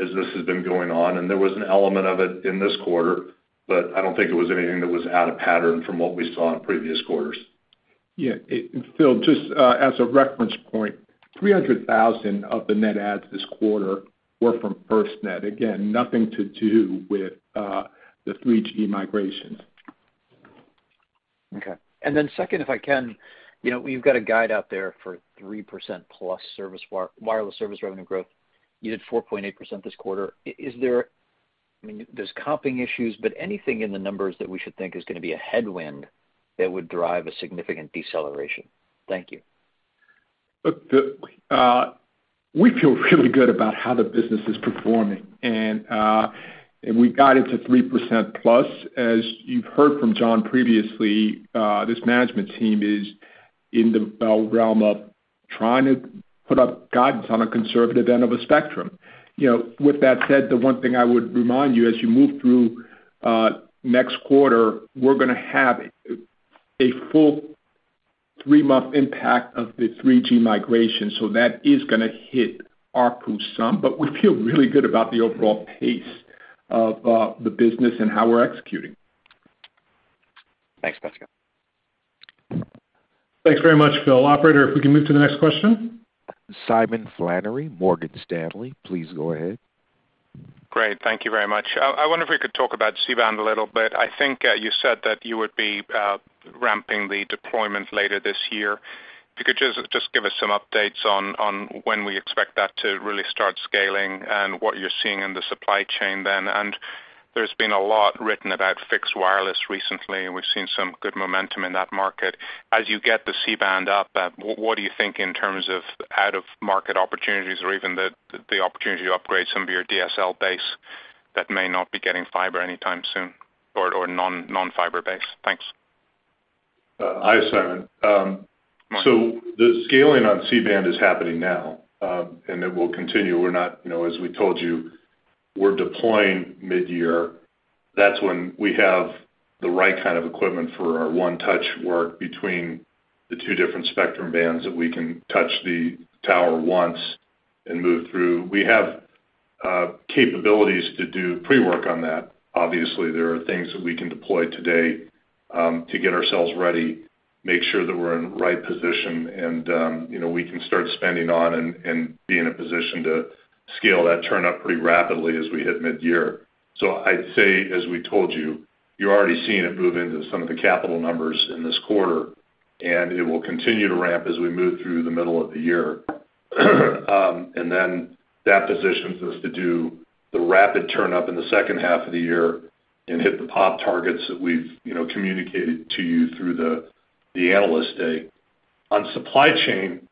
as this has been going on. There was an element of it in this quarter, but I don't think it was anything that was out of pattern from what we saw in previous quarters. Yeah. Phil, just as a reference point, 300,000 of the net adds this quarter were from FirstNet. Again, nothing to do with the 3G migrations. Okay. Second, if I can, you know, you've got a guide out there for 3% plus wireless service revenue growth. You did 4.8% this quarter. Is there, I mean, there's comping issues, but anything in the numbers that we should think is gonna be a headwind that would drive a significant deceleration? Thank you. Look, we feel really good about how the business is performing, and we got it to 3%+. As you've heard from John previously, this management team is in the realm of trying to put up guidance on a conservative end of a spectrum. You know, with that said, the one thing I would remind you as you move through next quarter, we're gonna have a full three-month impact of the 3G migration. That is gonna hit ARPU some, but we feel really good about the overall pace of the business and how we're executing. Thanks, Pascal. Thanks very much, Phil. Operator, if we can move to the next question. Simon Flannery, Morgan Stanley, please go ahead. Great. Thank you very much. I wonder if we could talk about C-band a little bit. I think you said that you would be ramping the deployment later this year. If you could just give us some updates on when we expect that to really start scaling and what you're seeing in the supply chain then. There's been a lot written about fixed wireless recently, and we've seen some good momentum in that market. As you get the C-band up, what do you think in terms of out of market opportunities or even the opportunity to upgrade some of your DSL base that may not be getting fiber anytime soon or non-fiber base? Thanks. Hi, Simon. The scaling on C-band is happening now, and it will continue. We're not, you know, as we told you, we're deploying mid-year. That's when we have the right kind of equipment for our one touch work between the two different spectrum bands that we can touch the tower once and move through. We have capabilities to do pre-work on that. Obviously, there are things that we can deploy today to get ourselves ready, make sure that we're in the right position and, you know, we can start spending on and be in a position to scale that turn up pretty rapidly as we hit mid-year. I'd say, as we told you're already seeing it move into some of the capital numbers in this quarter, and it will continue to ramp as we move through the middle of the year. Then that positions us to do the rapid turn up in the second half of the year and hit the pop targets that we've, you know, communicated to you through the Analyst Day. On supply chain,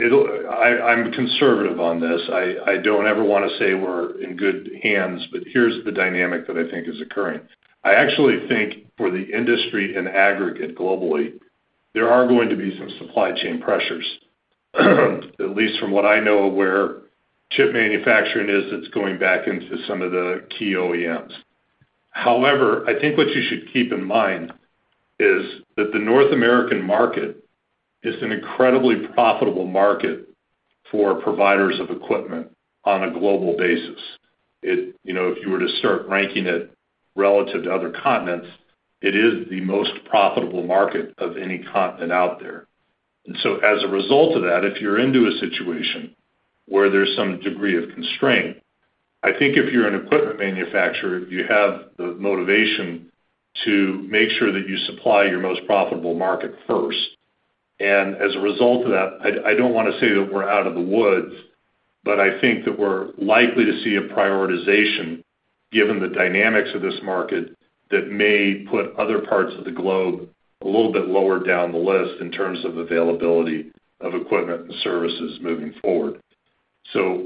I'm conservative on this. I don't ever wanna say we're in good hands, but here's the dynamic that I think is occurring. I actually think for the industry in aggregate globally, there are going to be some supply chain pressures, at least from what I know of where chip manufacturing is that's going back into some of the key OEMs. However, I think what you should keep in mind is that the North American market is an incredibly profitable market for providers of equipment on a global basis. It, you know, if you were to start ranking it relative to other continents, it is the most profitable market of any continent out there. as a result of that, if you're into a situation where there's some degree of constraint, I think if you're an equipment manufacturer, you have the motivation to make sure that you supply your most profitable market first. As a result of that, I don't wanna say that we're out of the woods, but I think that we're likely to see a prioritization, given the dynamics of this market, that may put other parts of the globe a little bit lower down the list in terms of availability of equipment and services moving forward.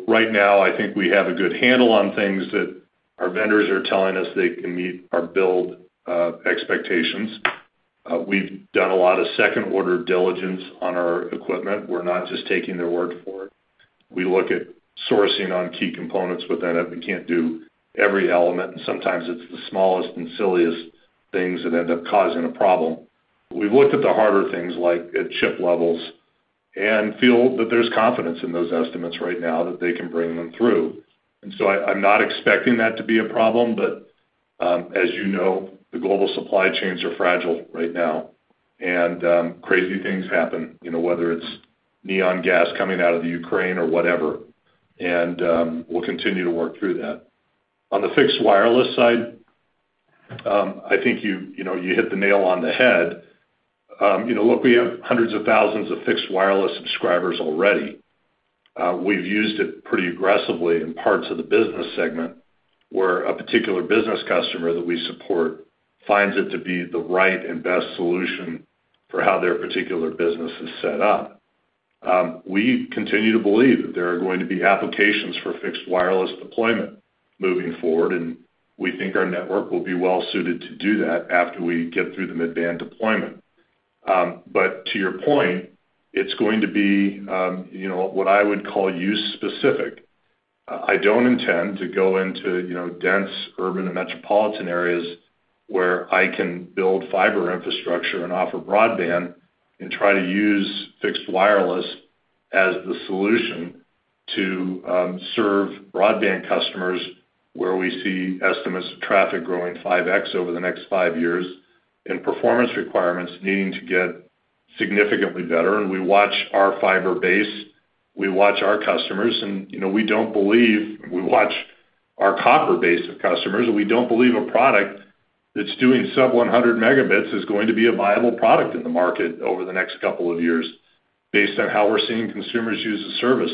Right now I think we have a good handle on things that our vendors are telling us they can meet our build expectations. We've done a lot of second-order diligence on our equipment. We're not just taking their word for it. We look at sourcing on key components within it. We can't do every element, and sometimes it's the smallest and silliest things that end up causing a problem. We've looked at the harder things like at chip levels and feel that there's confidence in those estimates right now that they can bring them through. I'm not expecting that to be a problem, but as you know, the global supply chains are fragile right now. Crazy things happen, you know, whether it's neon gas coming out of the Ukraine or whatever. We'll continue to work through that. On the fixed wireless side, I think you know you hit the nail on the head. You know, look, we have hundreds of thousands of fixed wireless subscribers already. We've used it pretty aggressively in parts of the business segment, where a particular business customer that we support finds it to be the right and best solution for how their particular business is set up. We continue to believe that there are going to be applications for fixed wireless deployment moving forward, and we think our network will be well suited to do that after we get through the mid-band deployment. To your point, it's going to be, you know, what I would call use specific. I don't intend to go into, you know, dense urban and metropolitan areas where I can build fiber infrastructure and offer broadband and try to use fixed wireless as the solution to serve broadband customers where we see estimates of traffic growing 5x over the next five years and performance requirements needing to get significantly better. We watch our fiber base, we watch our customers, and, you know, we watch our copper base of customers, and we don't believe a product that's doing sub 100 Mb is going to be a viable product in the market over the next couple of years based on how we're seeing consumers use the service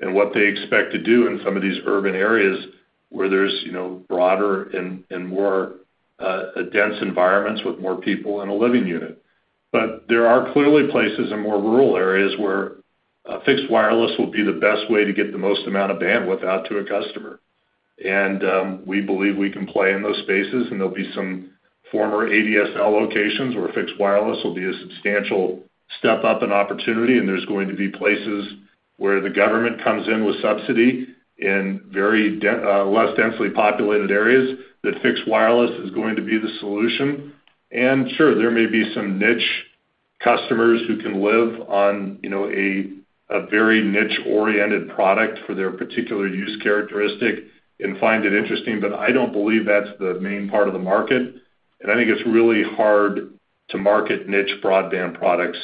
and what they expect to do in some of these urban areas where there's, you know, broader and more dense environments with more people in a living unit. But there are clearly places in more rural areas where fixed wireless will be the best way to get the most amount of bandwidth out to a customer. We believe we can play in those spaces, and there'll be some former ADSL locations where fixed wireless will be a substantial step up in opportunity, and there's going to be places where the government comes in with subsidy in less densely populated areas that fixed wireless is going to be the solution. Sure, there may be some niche customers who can live on, you know, a very niche-oriented product for their particular use characteristic and find it interesting, but I don't believe that's the main part of the market. I think it's really hard to market niche broadband products,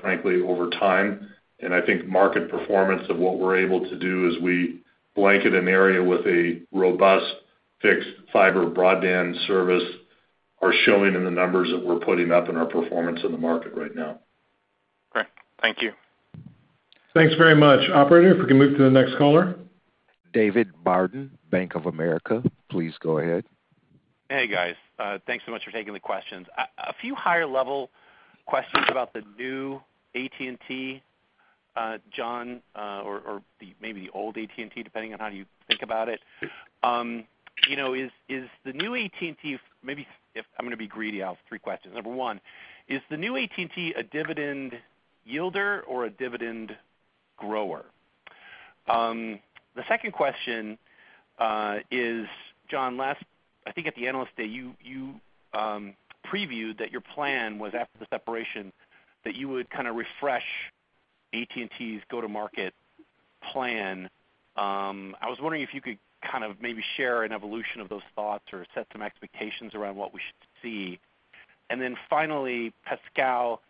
frankly, over time. I think market performance of what we're able to do as we blanket an area with a robust fixed fiber broadband service are showing in the numbers that we're putting up in our performance in the market right now. Great. Thank you. Thanks very much. Operator, if we can move to the next caller. David Barden, Bank of America, please go ahead. Hey, guys. Thanks so much for taking the questions. A few higher level questions about the new AT&T, John, or maybe the old AT&T, depending on how you think about it. You know, is the new AT&T. I'm gonna be greedy. I'll have three questions. Number one, is the new AT&T a dividend yielder or a dividend grower? The second question is, John, last, I think at the Analyst Day, you previewed that your plan was after the separation, that you would kind of refresh AT&T's go-to-market plan. I was wondering if you could kind of maybe share an evolution of those thoughts or set some expectations around what we should see. Finally, Pascal,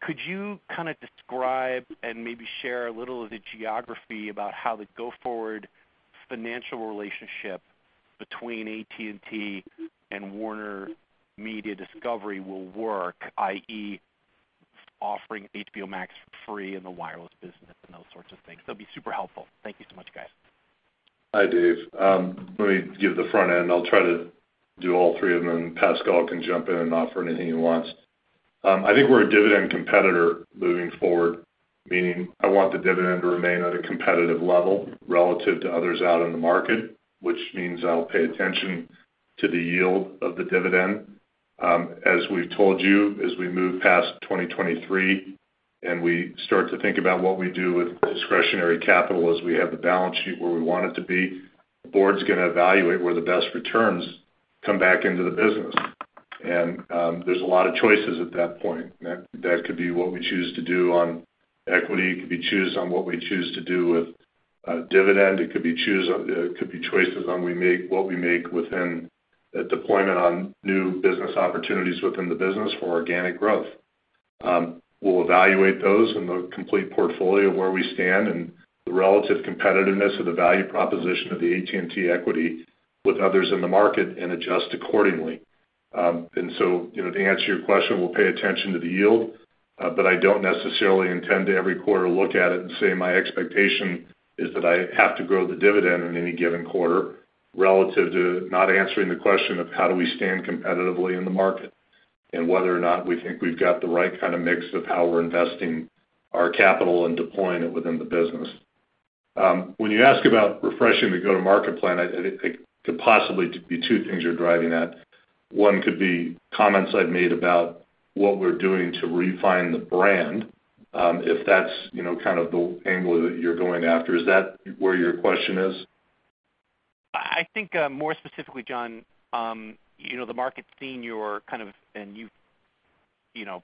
could you kind of describe and maybe share a little of the geography about how the go-forward financial relationship between AT&T and Warner Bros. Discovery will work, i.e., offering HBO Max for free in the wireless business and those sorts of things. That'd be super helpful. Thank you so much, guys. Hi, Dave. Let me give the front end. I'll try to do all three, and then Pascal can jump in and offer anything he wants. I think we're a dividend competitor moving forward, meaning I want the dividend to remain at a competitive level relative to others out in the market, which means I'll pay attention to the yield of the dividend. As we've told you, as we move past 2023, and we start to think about what we do with discretionary capital as we have the balance sheet where we want it to be, the board's gonna evaluate where the best returns come back into the business. There's a lot of choices at that point. That could be what we choose to do on equity. It could be choices on what we choose to do with a dividend. It could be choices on what we make, what we make within a deployment on new business opportunities within the business for organic growth. We'll evaluate those in the complete portfolio of where we stand and the relative competitiveness of the value proposition of the AT&T equity with others in the market and adjust accordingly. You know, to answer your question, we'll pay attention to the yield, but I don't necessarily intend to every quarter look at it and say my expectation is that I have to grow the dividend in any given quarter relative to not answering the question of how do we stand competitively in the market. Whether or not we think we've got the right kind of mix of how we're investing our capital and deploying it within the business. When you ask about refreshing the go-to-market plan, I think it could possibly be two things you're driving at. One could be comments I've made about what we're doing to refine the brand, if that's, you know, kind of the angle that you're going after. Is that where your question is? I think, more specifically, John, you know, the market's seen and you've, you know,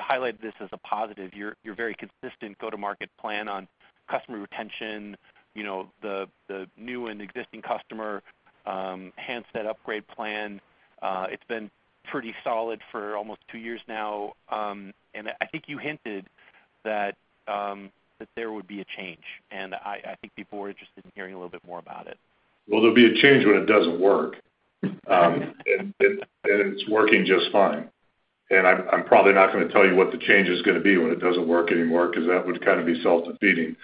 highlighted this as a positive. Your very consistent go-to-market plan on customer retention, you know, the new and existing customer handset upgrade plan, it's been pretty solid for almost two years now. I think you hinted that there would be a change, and I think people were interested in hearing a little bit more about it. Well, there'll be a change when it doesn't work. And it's working just fine. I'm probably not gonna tell you what the change is gonna be when it doesn't work anymore, 'cause that would kind of be self-defeating.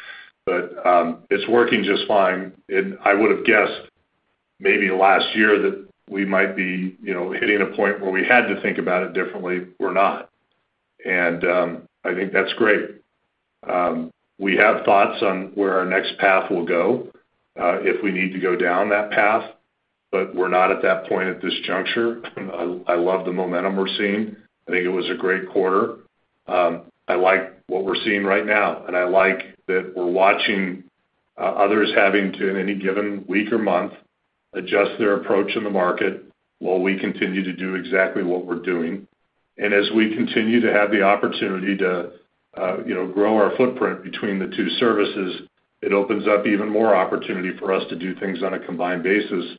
It's working just fine. I would've guessed maybe last year that we might be, you know, hitting a point where we had to think about it differently. We're not, and I think that's great. We have thoughts on where our next path will go, if we need to go down that path, but we're not at that point at this juncture. I love the momentum we're seeing. I think it was a great quarter. I like what we're seeing right now, and I like that we're watching others having to, in any given week or month, adjust their approach in the market while we continue to do exactly what we're doing. As we continue to have the opportunity to, you know, grow our footprint between the two services, it opens up even more opportunity for us to do things on a combined basis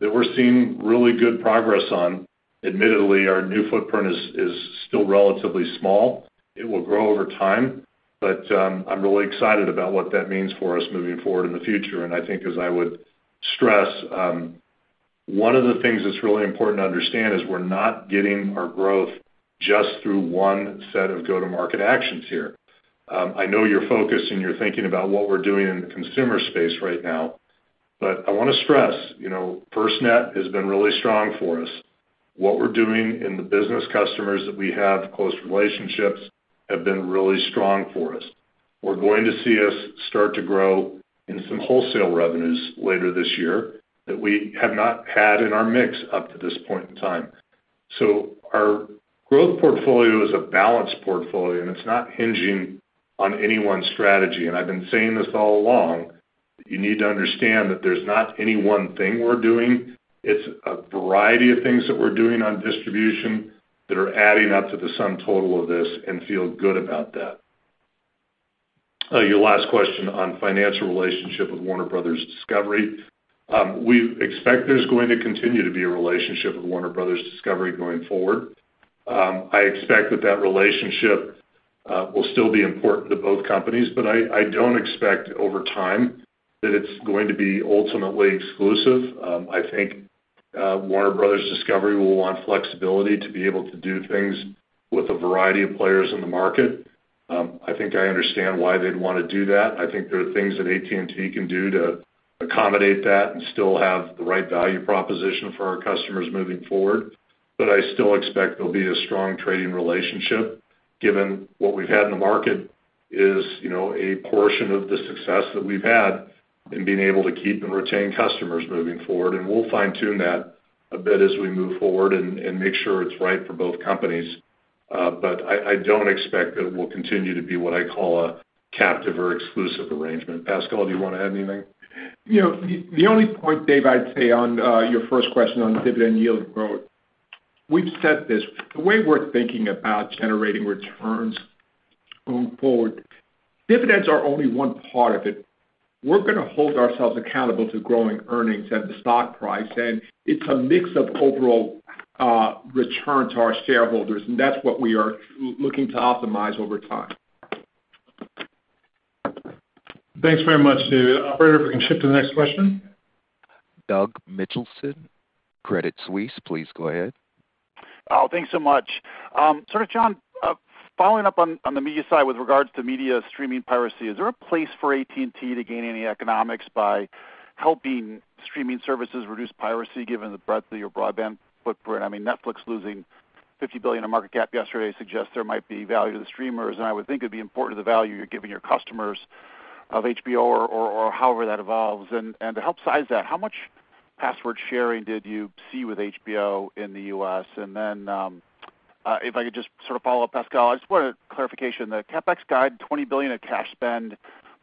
that we're seeing really good progress on. Admittedly, our new footprint is still relatively small. It will grow over time, but I'm really excited about what that means for us moving forward in the future. I think as I would stress, one of the things that's really important to understand is we're not getting our growth just through one set of go-to-market actions here. I know you're focused and you're thinking about what we're doing in the consumer space right now, but I wanna stress, you know, FirstNet has been really strong for us. What we're doing in the business customers that we have close relationships have been really strong for us. We're going to see us start to grow in some wholesale revenues later this year that we have not had in our mix up to this point in time. Our growth portfolio is a balanced portfolio, and it's not hinging on any one strategy. I've been saying this all along, you need to understand that there's not any one thing we're doing. It's a variety of things that we're doing on distribution that are adding up to the sum total of this and feel good about that. Your last question on financial relationship with Warner Bros. Discovery. We expect there's going to continue to be a relationship with Warner Bros. Discovery going forward. I expect that relationship will still be important to both companies, but I don't expect over time that it's going to be ultimately exclusive. I think Warner Bros. Discovery will want flexibility to be able to do things with a variety of players in the market. I think I understand why they'd want to do that. I think there are things that AT&T can do to accommodate that and still have the right value proposition for our customers moving forward. I still expect there'll be a strong trading relationship given what we've had in the market is, you know, a portion of the success that we've had in being able to keep and retain customers moving forward. We'll fine tune that a bit as we move forward and make sure it's right for both companies. I don't expect that it will continue to be what I call a captive or exclusive arrangement. Pascal, do you want to add anything? You know, the only point, Dave, I'd say on your first question on dividend yield growth, we've said this, the way we're thinking about generating returns going forward, dividends are only one part of it. We're gonna hold ourselves accountable to growing earnings and the stock price, and it's a mix of overall return to our shareholders, and that's what we are looking to optimize over time. Thanks very much. Operator, if we can shift to the next question. Doug Mitchelson, Credit Suisse, please go ahead. Oh, thanks so much. Sort of, John, following up on the media side with regards to media streaming piracy, is there a place for AT&T to gain any economics by helping streaming services reduce piracy given the breadth of your broadband footprint? I mean, Netflix losing $50 billion in market cap yesterday suggests there might be value to the streamers, and I would think it'd be important to the value you're giving your customers of HBO or however that evolves. To help size that, how much password sharing did you see with HBO in the U.S.? If I could just sort of follow up, Pascal, I just wanted clarification. The CapEx guide, $20 billion of cash spend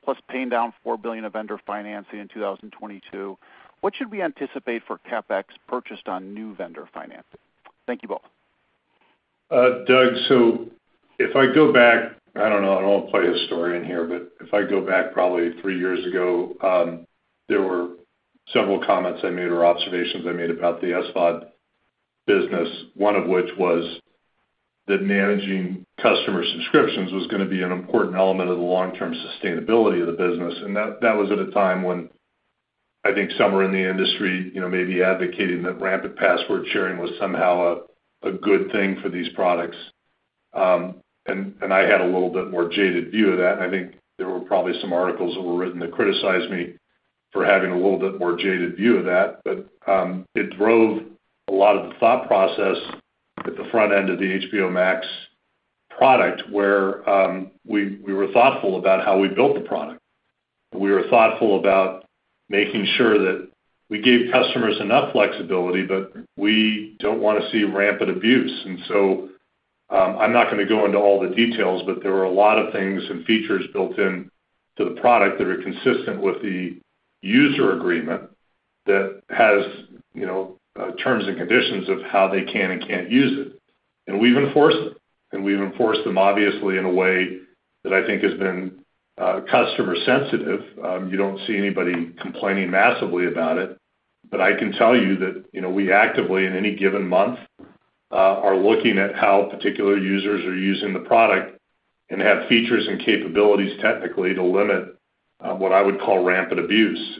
plus paying down $4 billion of vendor financing in 2022. What should we anticipate for CapEx purchased on new vendor financing? Thank you both. Doug, if I go back, I don't want to tell a story in here, but if I go back probably three years ago, there were several comments I made or observations I made about the SVOD business. One of which was that managing customer subscriptions was gonna be an important element of the long-term sustainability of the business. That was at a time when I think somewhere in the industry, you know, maybe advocating that rampant password sharing was somehow a good thing for these products. And I had a little bit more jaded view of that, and I think there were probably some articles that were written that criticized me for having a little bit more jaded view of that. It drove a lot of the thought process at the front end of the HBO Max product, where we were thoughtful about how we built the product. We were thoughtful about making sure that we gave customers enough flexibility, but we don't wanna see rampant abuse. I'm not gonna go into all the details, but there were a lot of things and features built into the product that are consistent with the user agreement that has, you know, terms and conditions of how they can and can't use it. We've enforced them obviously in a way that I think has been customer sensitive. You don't see anybody complaining massively about it. I can tell you that, you know, we actively, in any given month, are looking at how particular users are using the product and have features and capabilities technically to limit what I would call rampant abuse.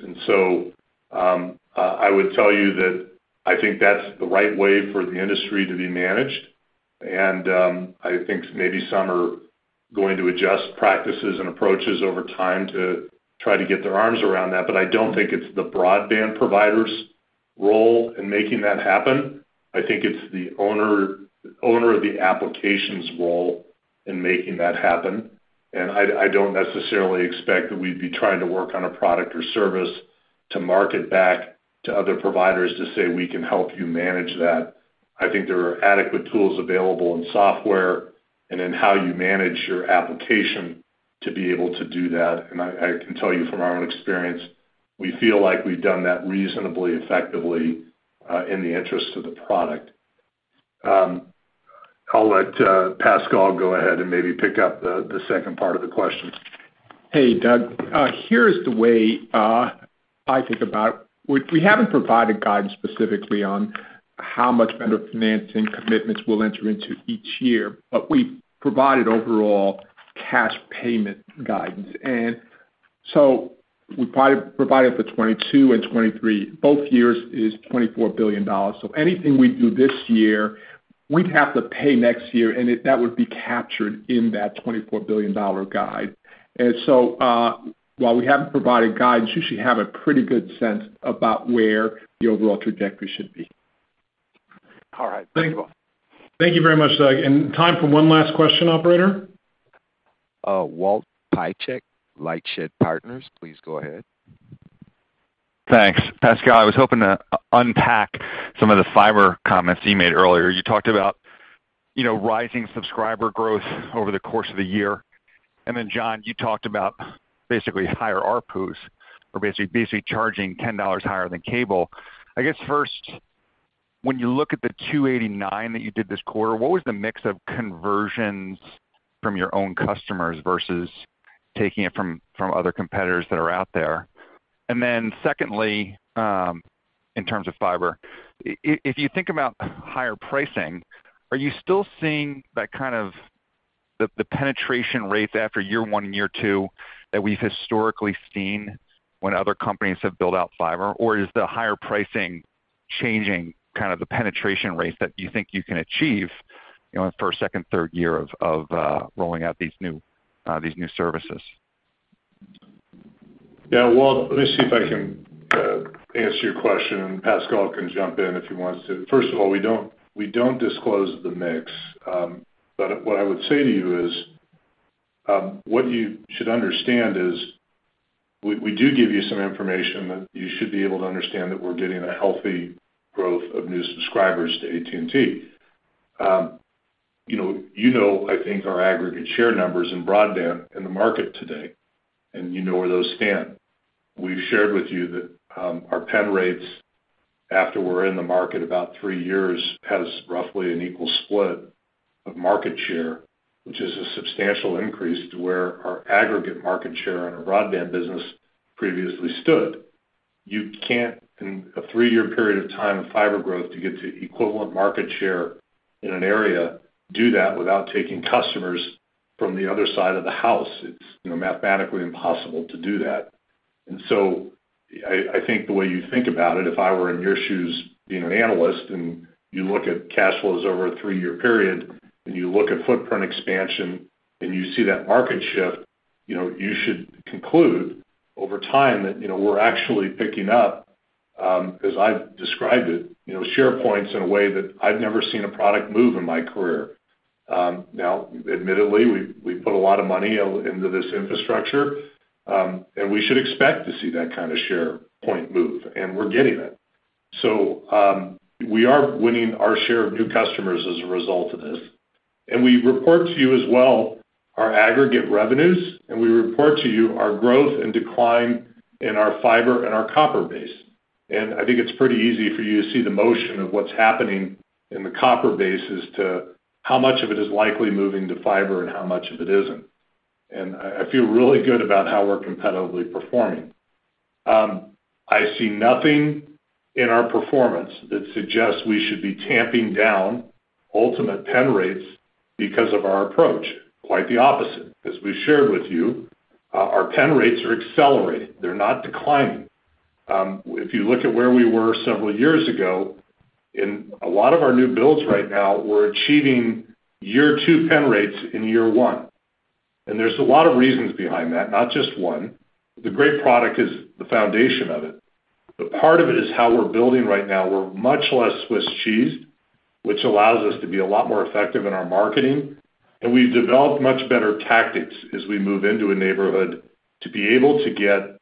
I would tell you that I think that's the right way for the industry to be managed. I think maybe some are going to adjust practices and approaches over time to try to get their arms around that, but I don't think it's the broadband provider's role in making that happen. I think it's the owner of the application's role in making that happen. I don't necessarily expect that we'd be trying to work on a product or service to market back to other providers to say, "We can help you manage that." I think there are adequate tools available in software and in how you manage your application to be able to do that. I can tell you from our own experience, we feel like we've done that reasonably effectively in the interest of the product. I'll let Pascal go ahead and maybe pick up the second part of the question. Hey, Doug. Here is the way I think about it. We haven't provided guidance specifically on how much vendor financing commitments we'll enter into each year, but we've provided overall cash payment guidance. We provided for 2022 and 2023. Both years is $24 billion. So anything we do this year, we'd have to pay next year, and that would be captured in that $24 billion guide. While we haven't provided guidance, you should have a pretty good sense about where the overall trajectory should be. All right. Thank you. Thank you very much, Doug. Time for one last question, operator. Walt Piecyk, Lightshed Partners, please go ahead. Thanks. Pascal, I was hoping to unpack some of the fiber comments you made earlier. You talked about, you know, rising subscriber growth over the course of the year. Then John, you talked about basically higher ARPUs or basically charging $10 higher than cable. I guess first, when you look at the 289 that you did this quarter, what was the mix of conversions from your own customers versus taking it from other competitors that are out there? Then secondly, in terms of fiber, if you think about higher pricing, are you still seeing that kind of the penetration rates after year one and year two that we've historically seen when other companies have built out fiber? Is the higher pricing changing kind of the penetration rates that you think you can achieve, you know, in the first, second, third year of rolling out these new services? Yeah, Walt, let me see if I can answer your question, and Pascal can jump in if he wants to. First of all, we don't disclose the mix. What I would say to you is what you should understand is we do give you some information that you should be able to understand that we're getting a healthy growth of new subscribers to AT&T. You know I think our aggregate share numbers in broadband in the market today, and you know where those stand. We've shared with you that our penetration rates after we're in the market about three years has roughly an equal split of market share, which is a substantial increase to where our aggregate market share on our broadband business previously stood. You can't, in a three-year period of time in fiber growth to get to equivalent market share in an area, do that without taking customers from the other side of the house. It's, you know, mathematically impossible to do that. I think the way you think about it, if I were in your shoes being an analyst and you look at cash flows over a three-year period and you look at footprint expansion and you see that market shift, you know, you should conclude over time that, you know, we're actually picking up, as I've described it, you know, share points in a way that I've never seen a product move in my career. Now admittedly, we've put a lot of money into this infrastructure, and we should expect to see that kind of share point move, and we're getting it. We are winning our share of new customers as a result of this. We report to you as well our aggregate revenues, and we report to you our growth and decline in our fiber and our copper base. I think it's pretty easy for you to see the motion of what's happening in the copper bases to how much of it is likely moving to fiber and how much of it isn't. I feel really good about how we're competitively performing. I see nothing in our performance that suggests we should be tamping down ultimate pen rates because of our approach. Quite the opposite. As we shared with you, our pen rates are accelerating. They're not declining. If you look at where we were several years ago, in a lot of our new builds right now, we're achieving year two pen rates in year one. There's a lot of reasons behind that, not just one. The great product is the foundation of it, but part of it is how we're building right now. We're much less Swiss cheesed, which allows us to be a lot more effective in our marketing. We've developed much better tactics as we move into a neighborhood to be able to get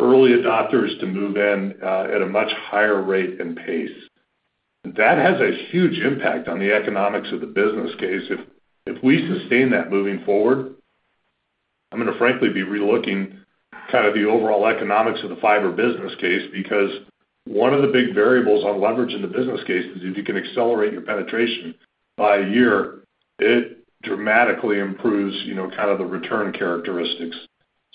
early adopters to move in at a much higher rate and pace. That has a huge impact on the economics of the business case. If we sustain that moving forward, I'm gonna frankly be relooking kind of the overall economics of the fiber business case because one of the big variables on leverage in the business case is if you can accelerate your penetration by a year, it dramatically improves, you know, kind of the return characteristics.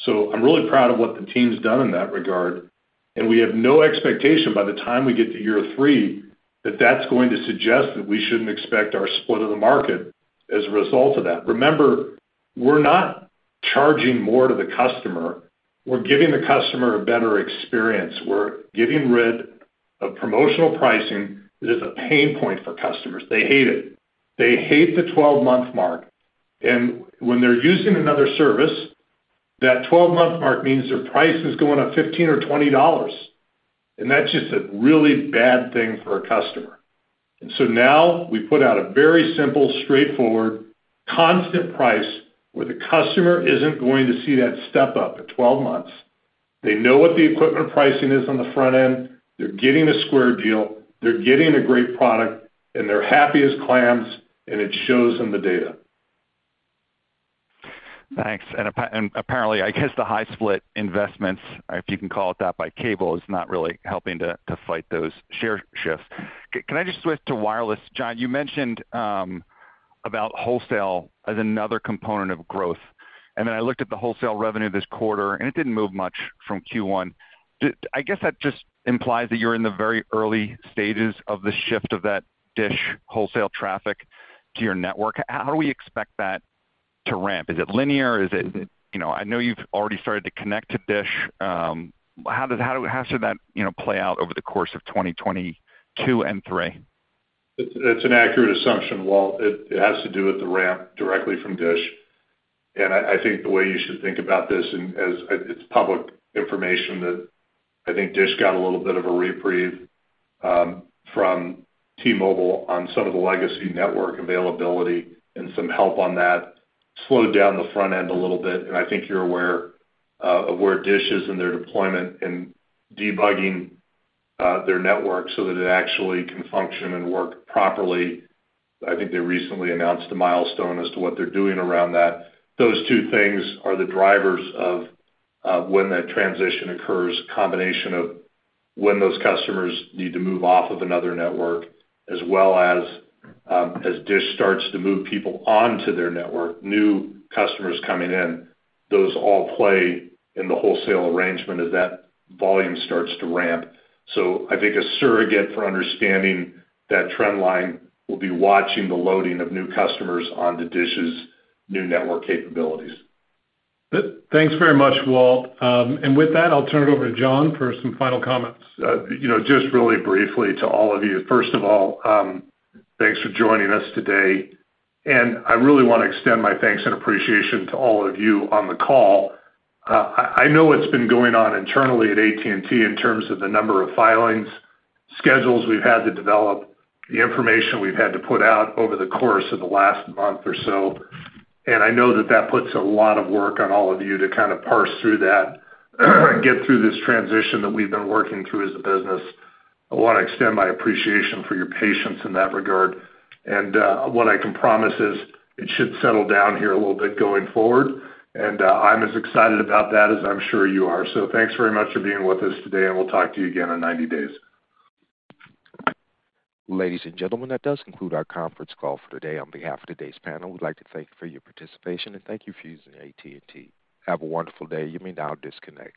I'm really proud of what the team's done in that regard, and we have no expectation by the time we get to year three that that's going to suggest that we shouldn't expect our split of the market as a result of that. Remember, we're not charging more to the customer. We're giving the customer a better experience. We're getting rid of promotional pricing that is a pain point for customers. They hate it. They hate the 12-month mark. When they're using another service, that 12-month mark means their price is going up $15 or $20, and that's just a really bad thing for a customer. Now we put out a very simple, straightforward, constant price where the customer isn't going to see that step up at 12 months. They know what the equipment pricing is on the front end, they're getting a square deal, they're getting a great product, and they're happy as clams, and it shows in the data. Thanks. Apparently, I guess the high split investments, if you can call it that, by cable is not really helping to fight those share shifts. Can I just switch to wireless? John, you mentioned about wholesale as another component of growth. I looked at the wholesale revenue this quarter, and it didn't move much from Q1. I guess that just implies that you're in the very early stages of the shift of that Dish wholesale traffic to your network. How do we expect that to ramp? Is it linear? I know you've already started to connect to Dish. How should that play out over the course of 2022 and 2023? It's an accurate assumption, Walt. It has to do with the ramp directly from Dish. I think the way you should think about this and as it's public information that I think Dish got a little bit of a reprieve from T-Mobile on some of the legacy network availability and some help on that slowed down the front end a little bit. I think you're aware of where Dish is in their deployment and debugging their network so that it actually can function and work properly. I think they recently announced a milestone as to what they're doing around that. Those two things are the drivers of when that transition occurs, combination of when those customers need to move off of another network, as well as Dish starts to move people onto their network, new customers coming in, those all play in the wholesale arrangement as that volume starts to ramp. I think a surrogate for understanding that trend line will be watching the loading of new customers onto Dish's new network capabilities. Good. Thanks very much, Walt. With that, I'll turn it over to John for some final comments. You know, just really briefly to all of you. First of all, thanks for joining us today. I really want to extend my thanks and appreciation to all of you on the call. I know what's been going on internally at AT&T in terms of the number of filings, schedules we've had to develop, the information we've had to put out over the course of the last month or so, and I know that that puts a lot of work on all of you to kind of parse through that and get through this transition that we've been working through as a business. I want to extend my appreciation for your patience in that regard. What I can promise is it should settle down here a little bit going forward, and I'm as excited about that as I'm sure you are. Thanks very much for being with us today, and we'll talk to you again in 90 days. Ladies and gentlemen, that does conclude our conference call for today. On behalf of today's panel, we'd like to thank you for your participation and thank you for using AT&T. Have a wonderful day. You may now disconnect.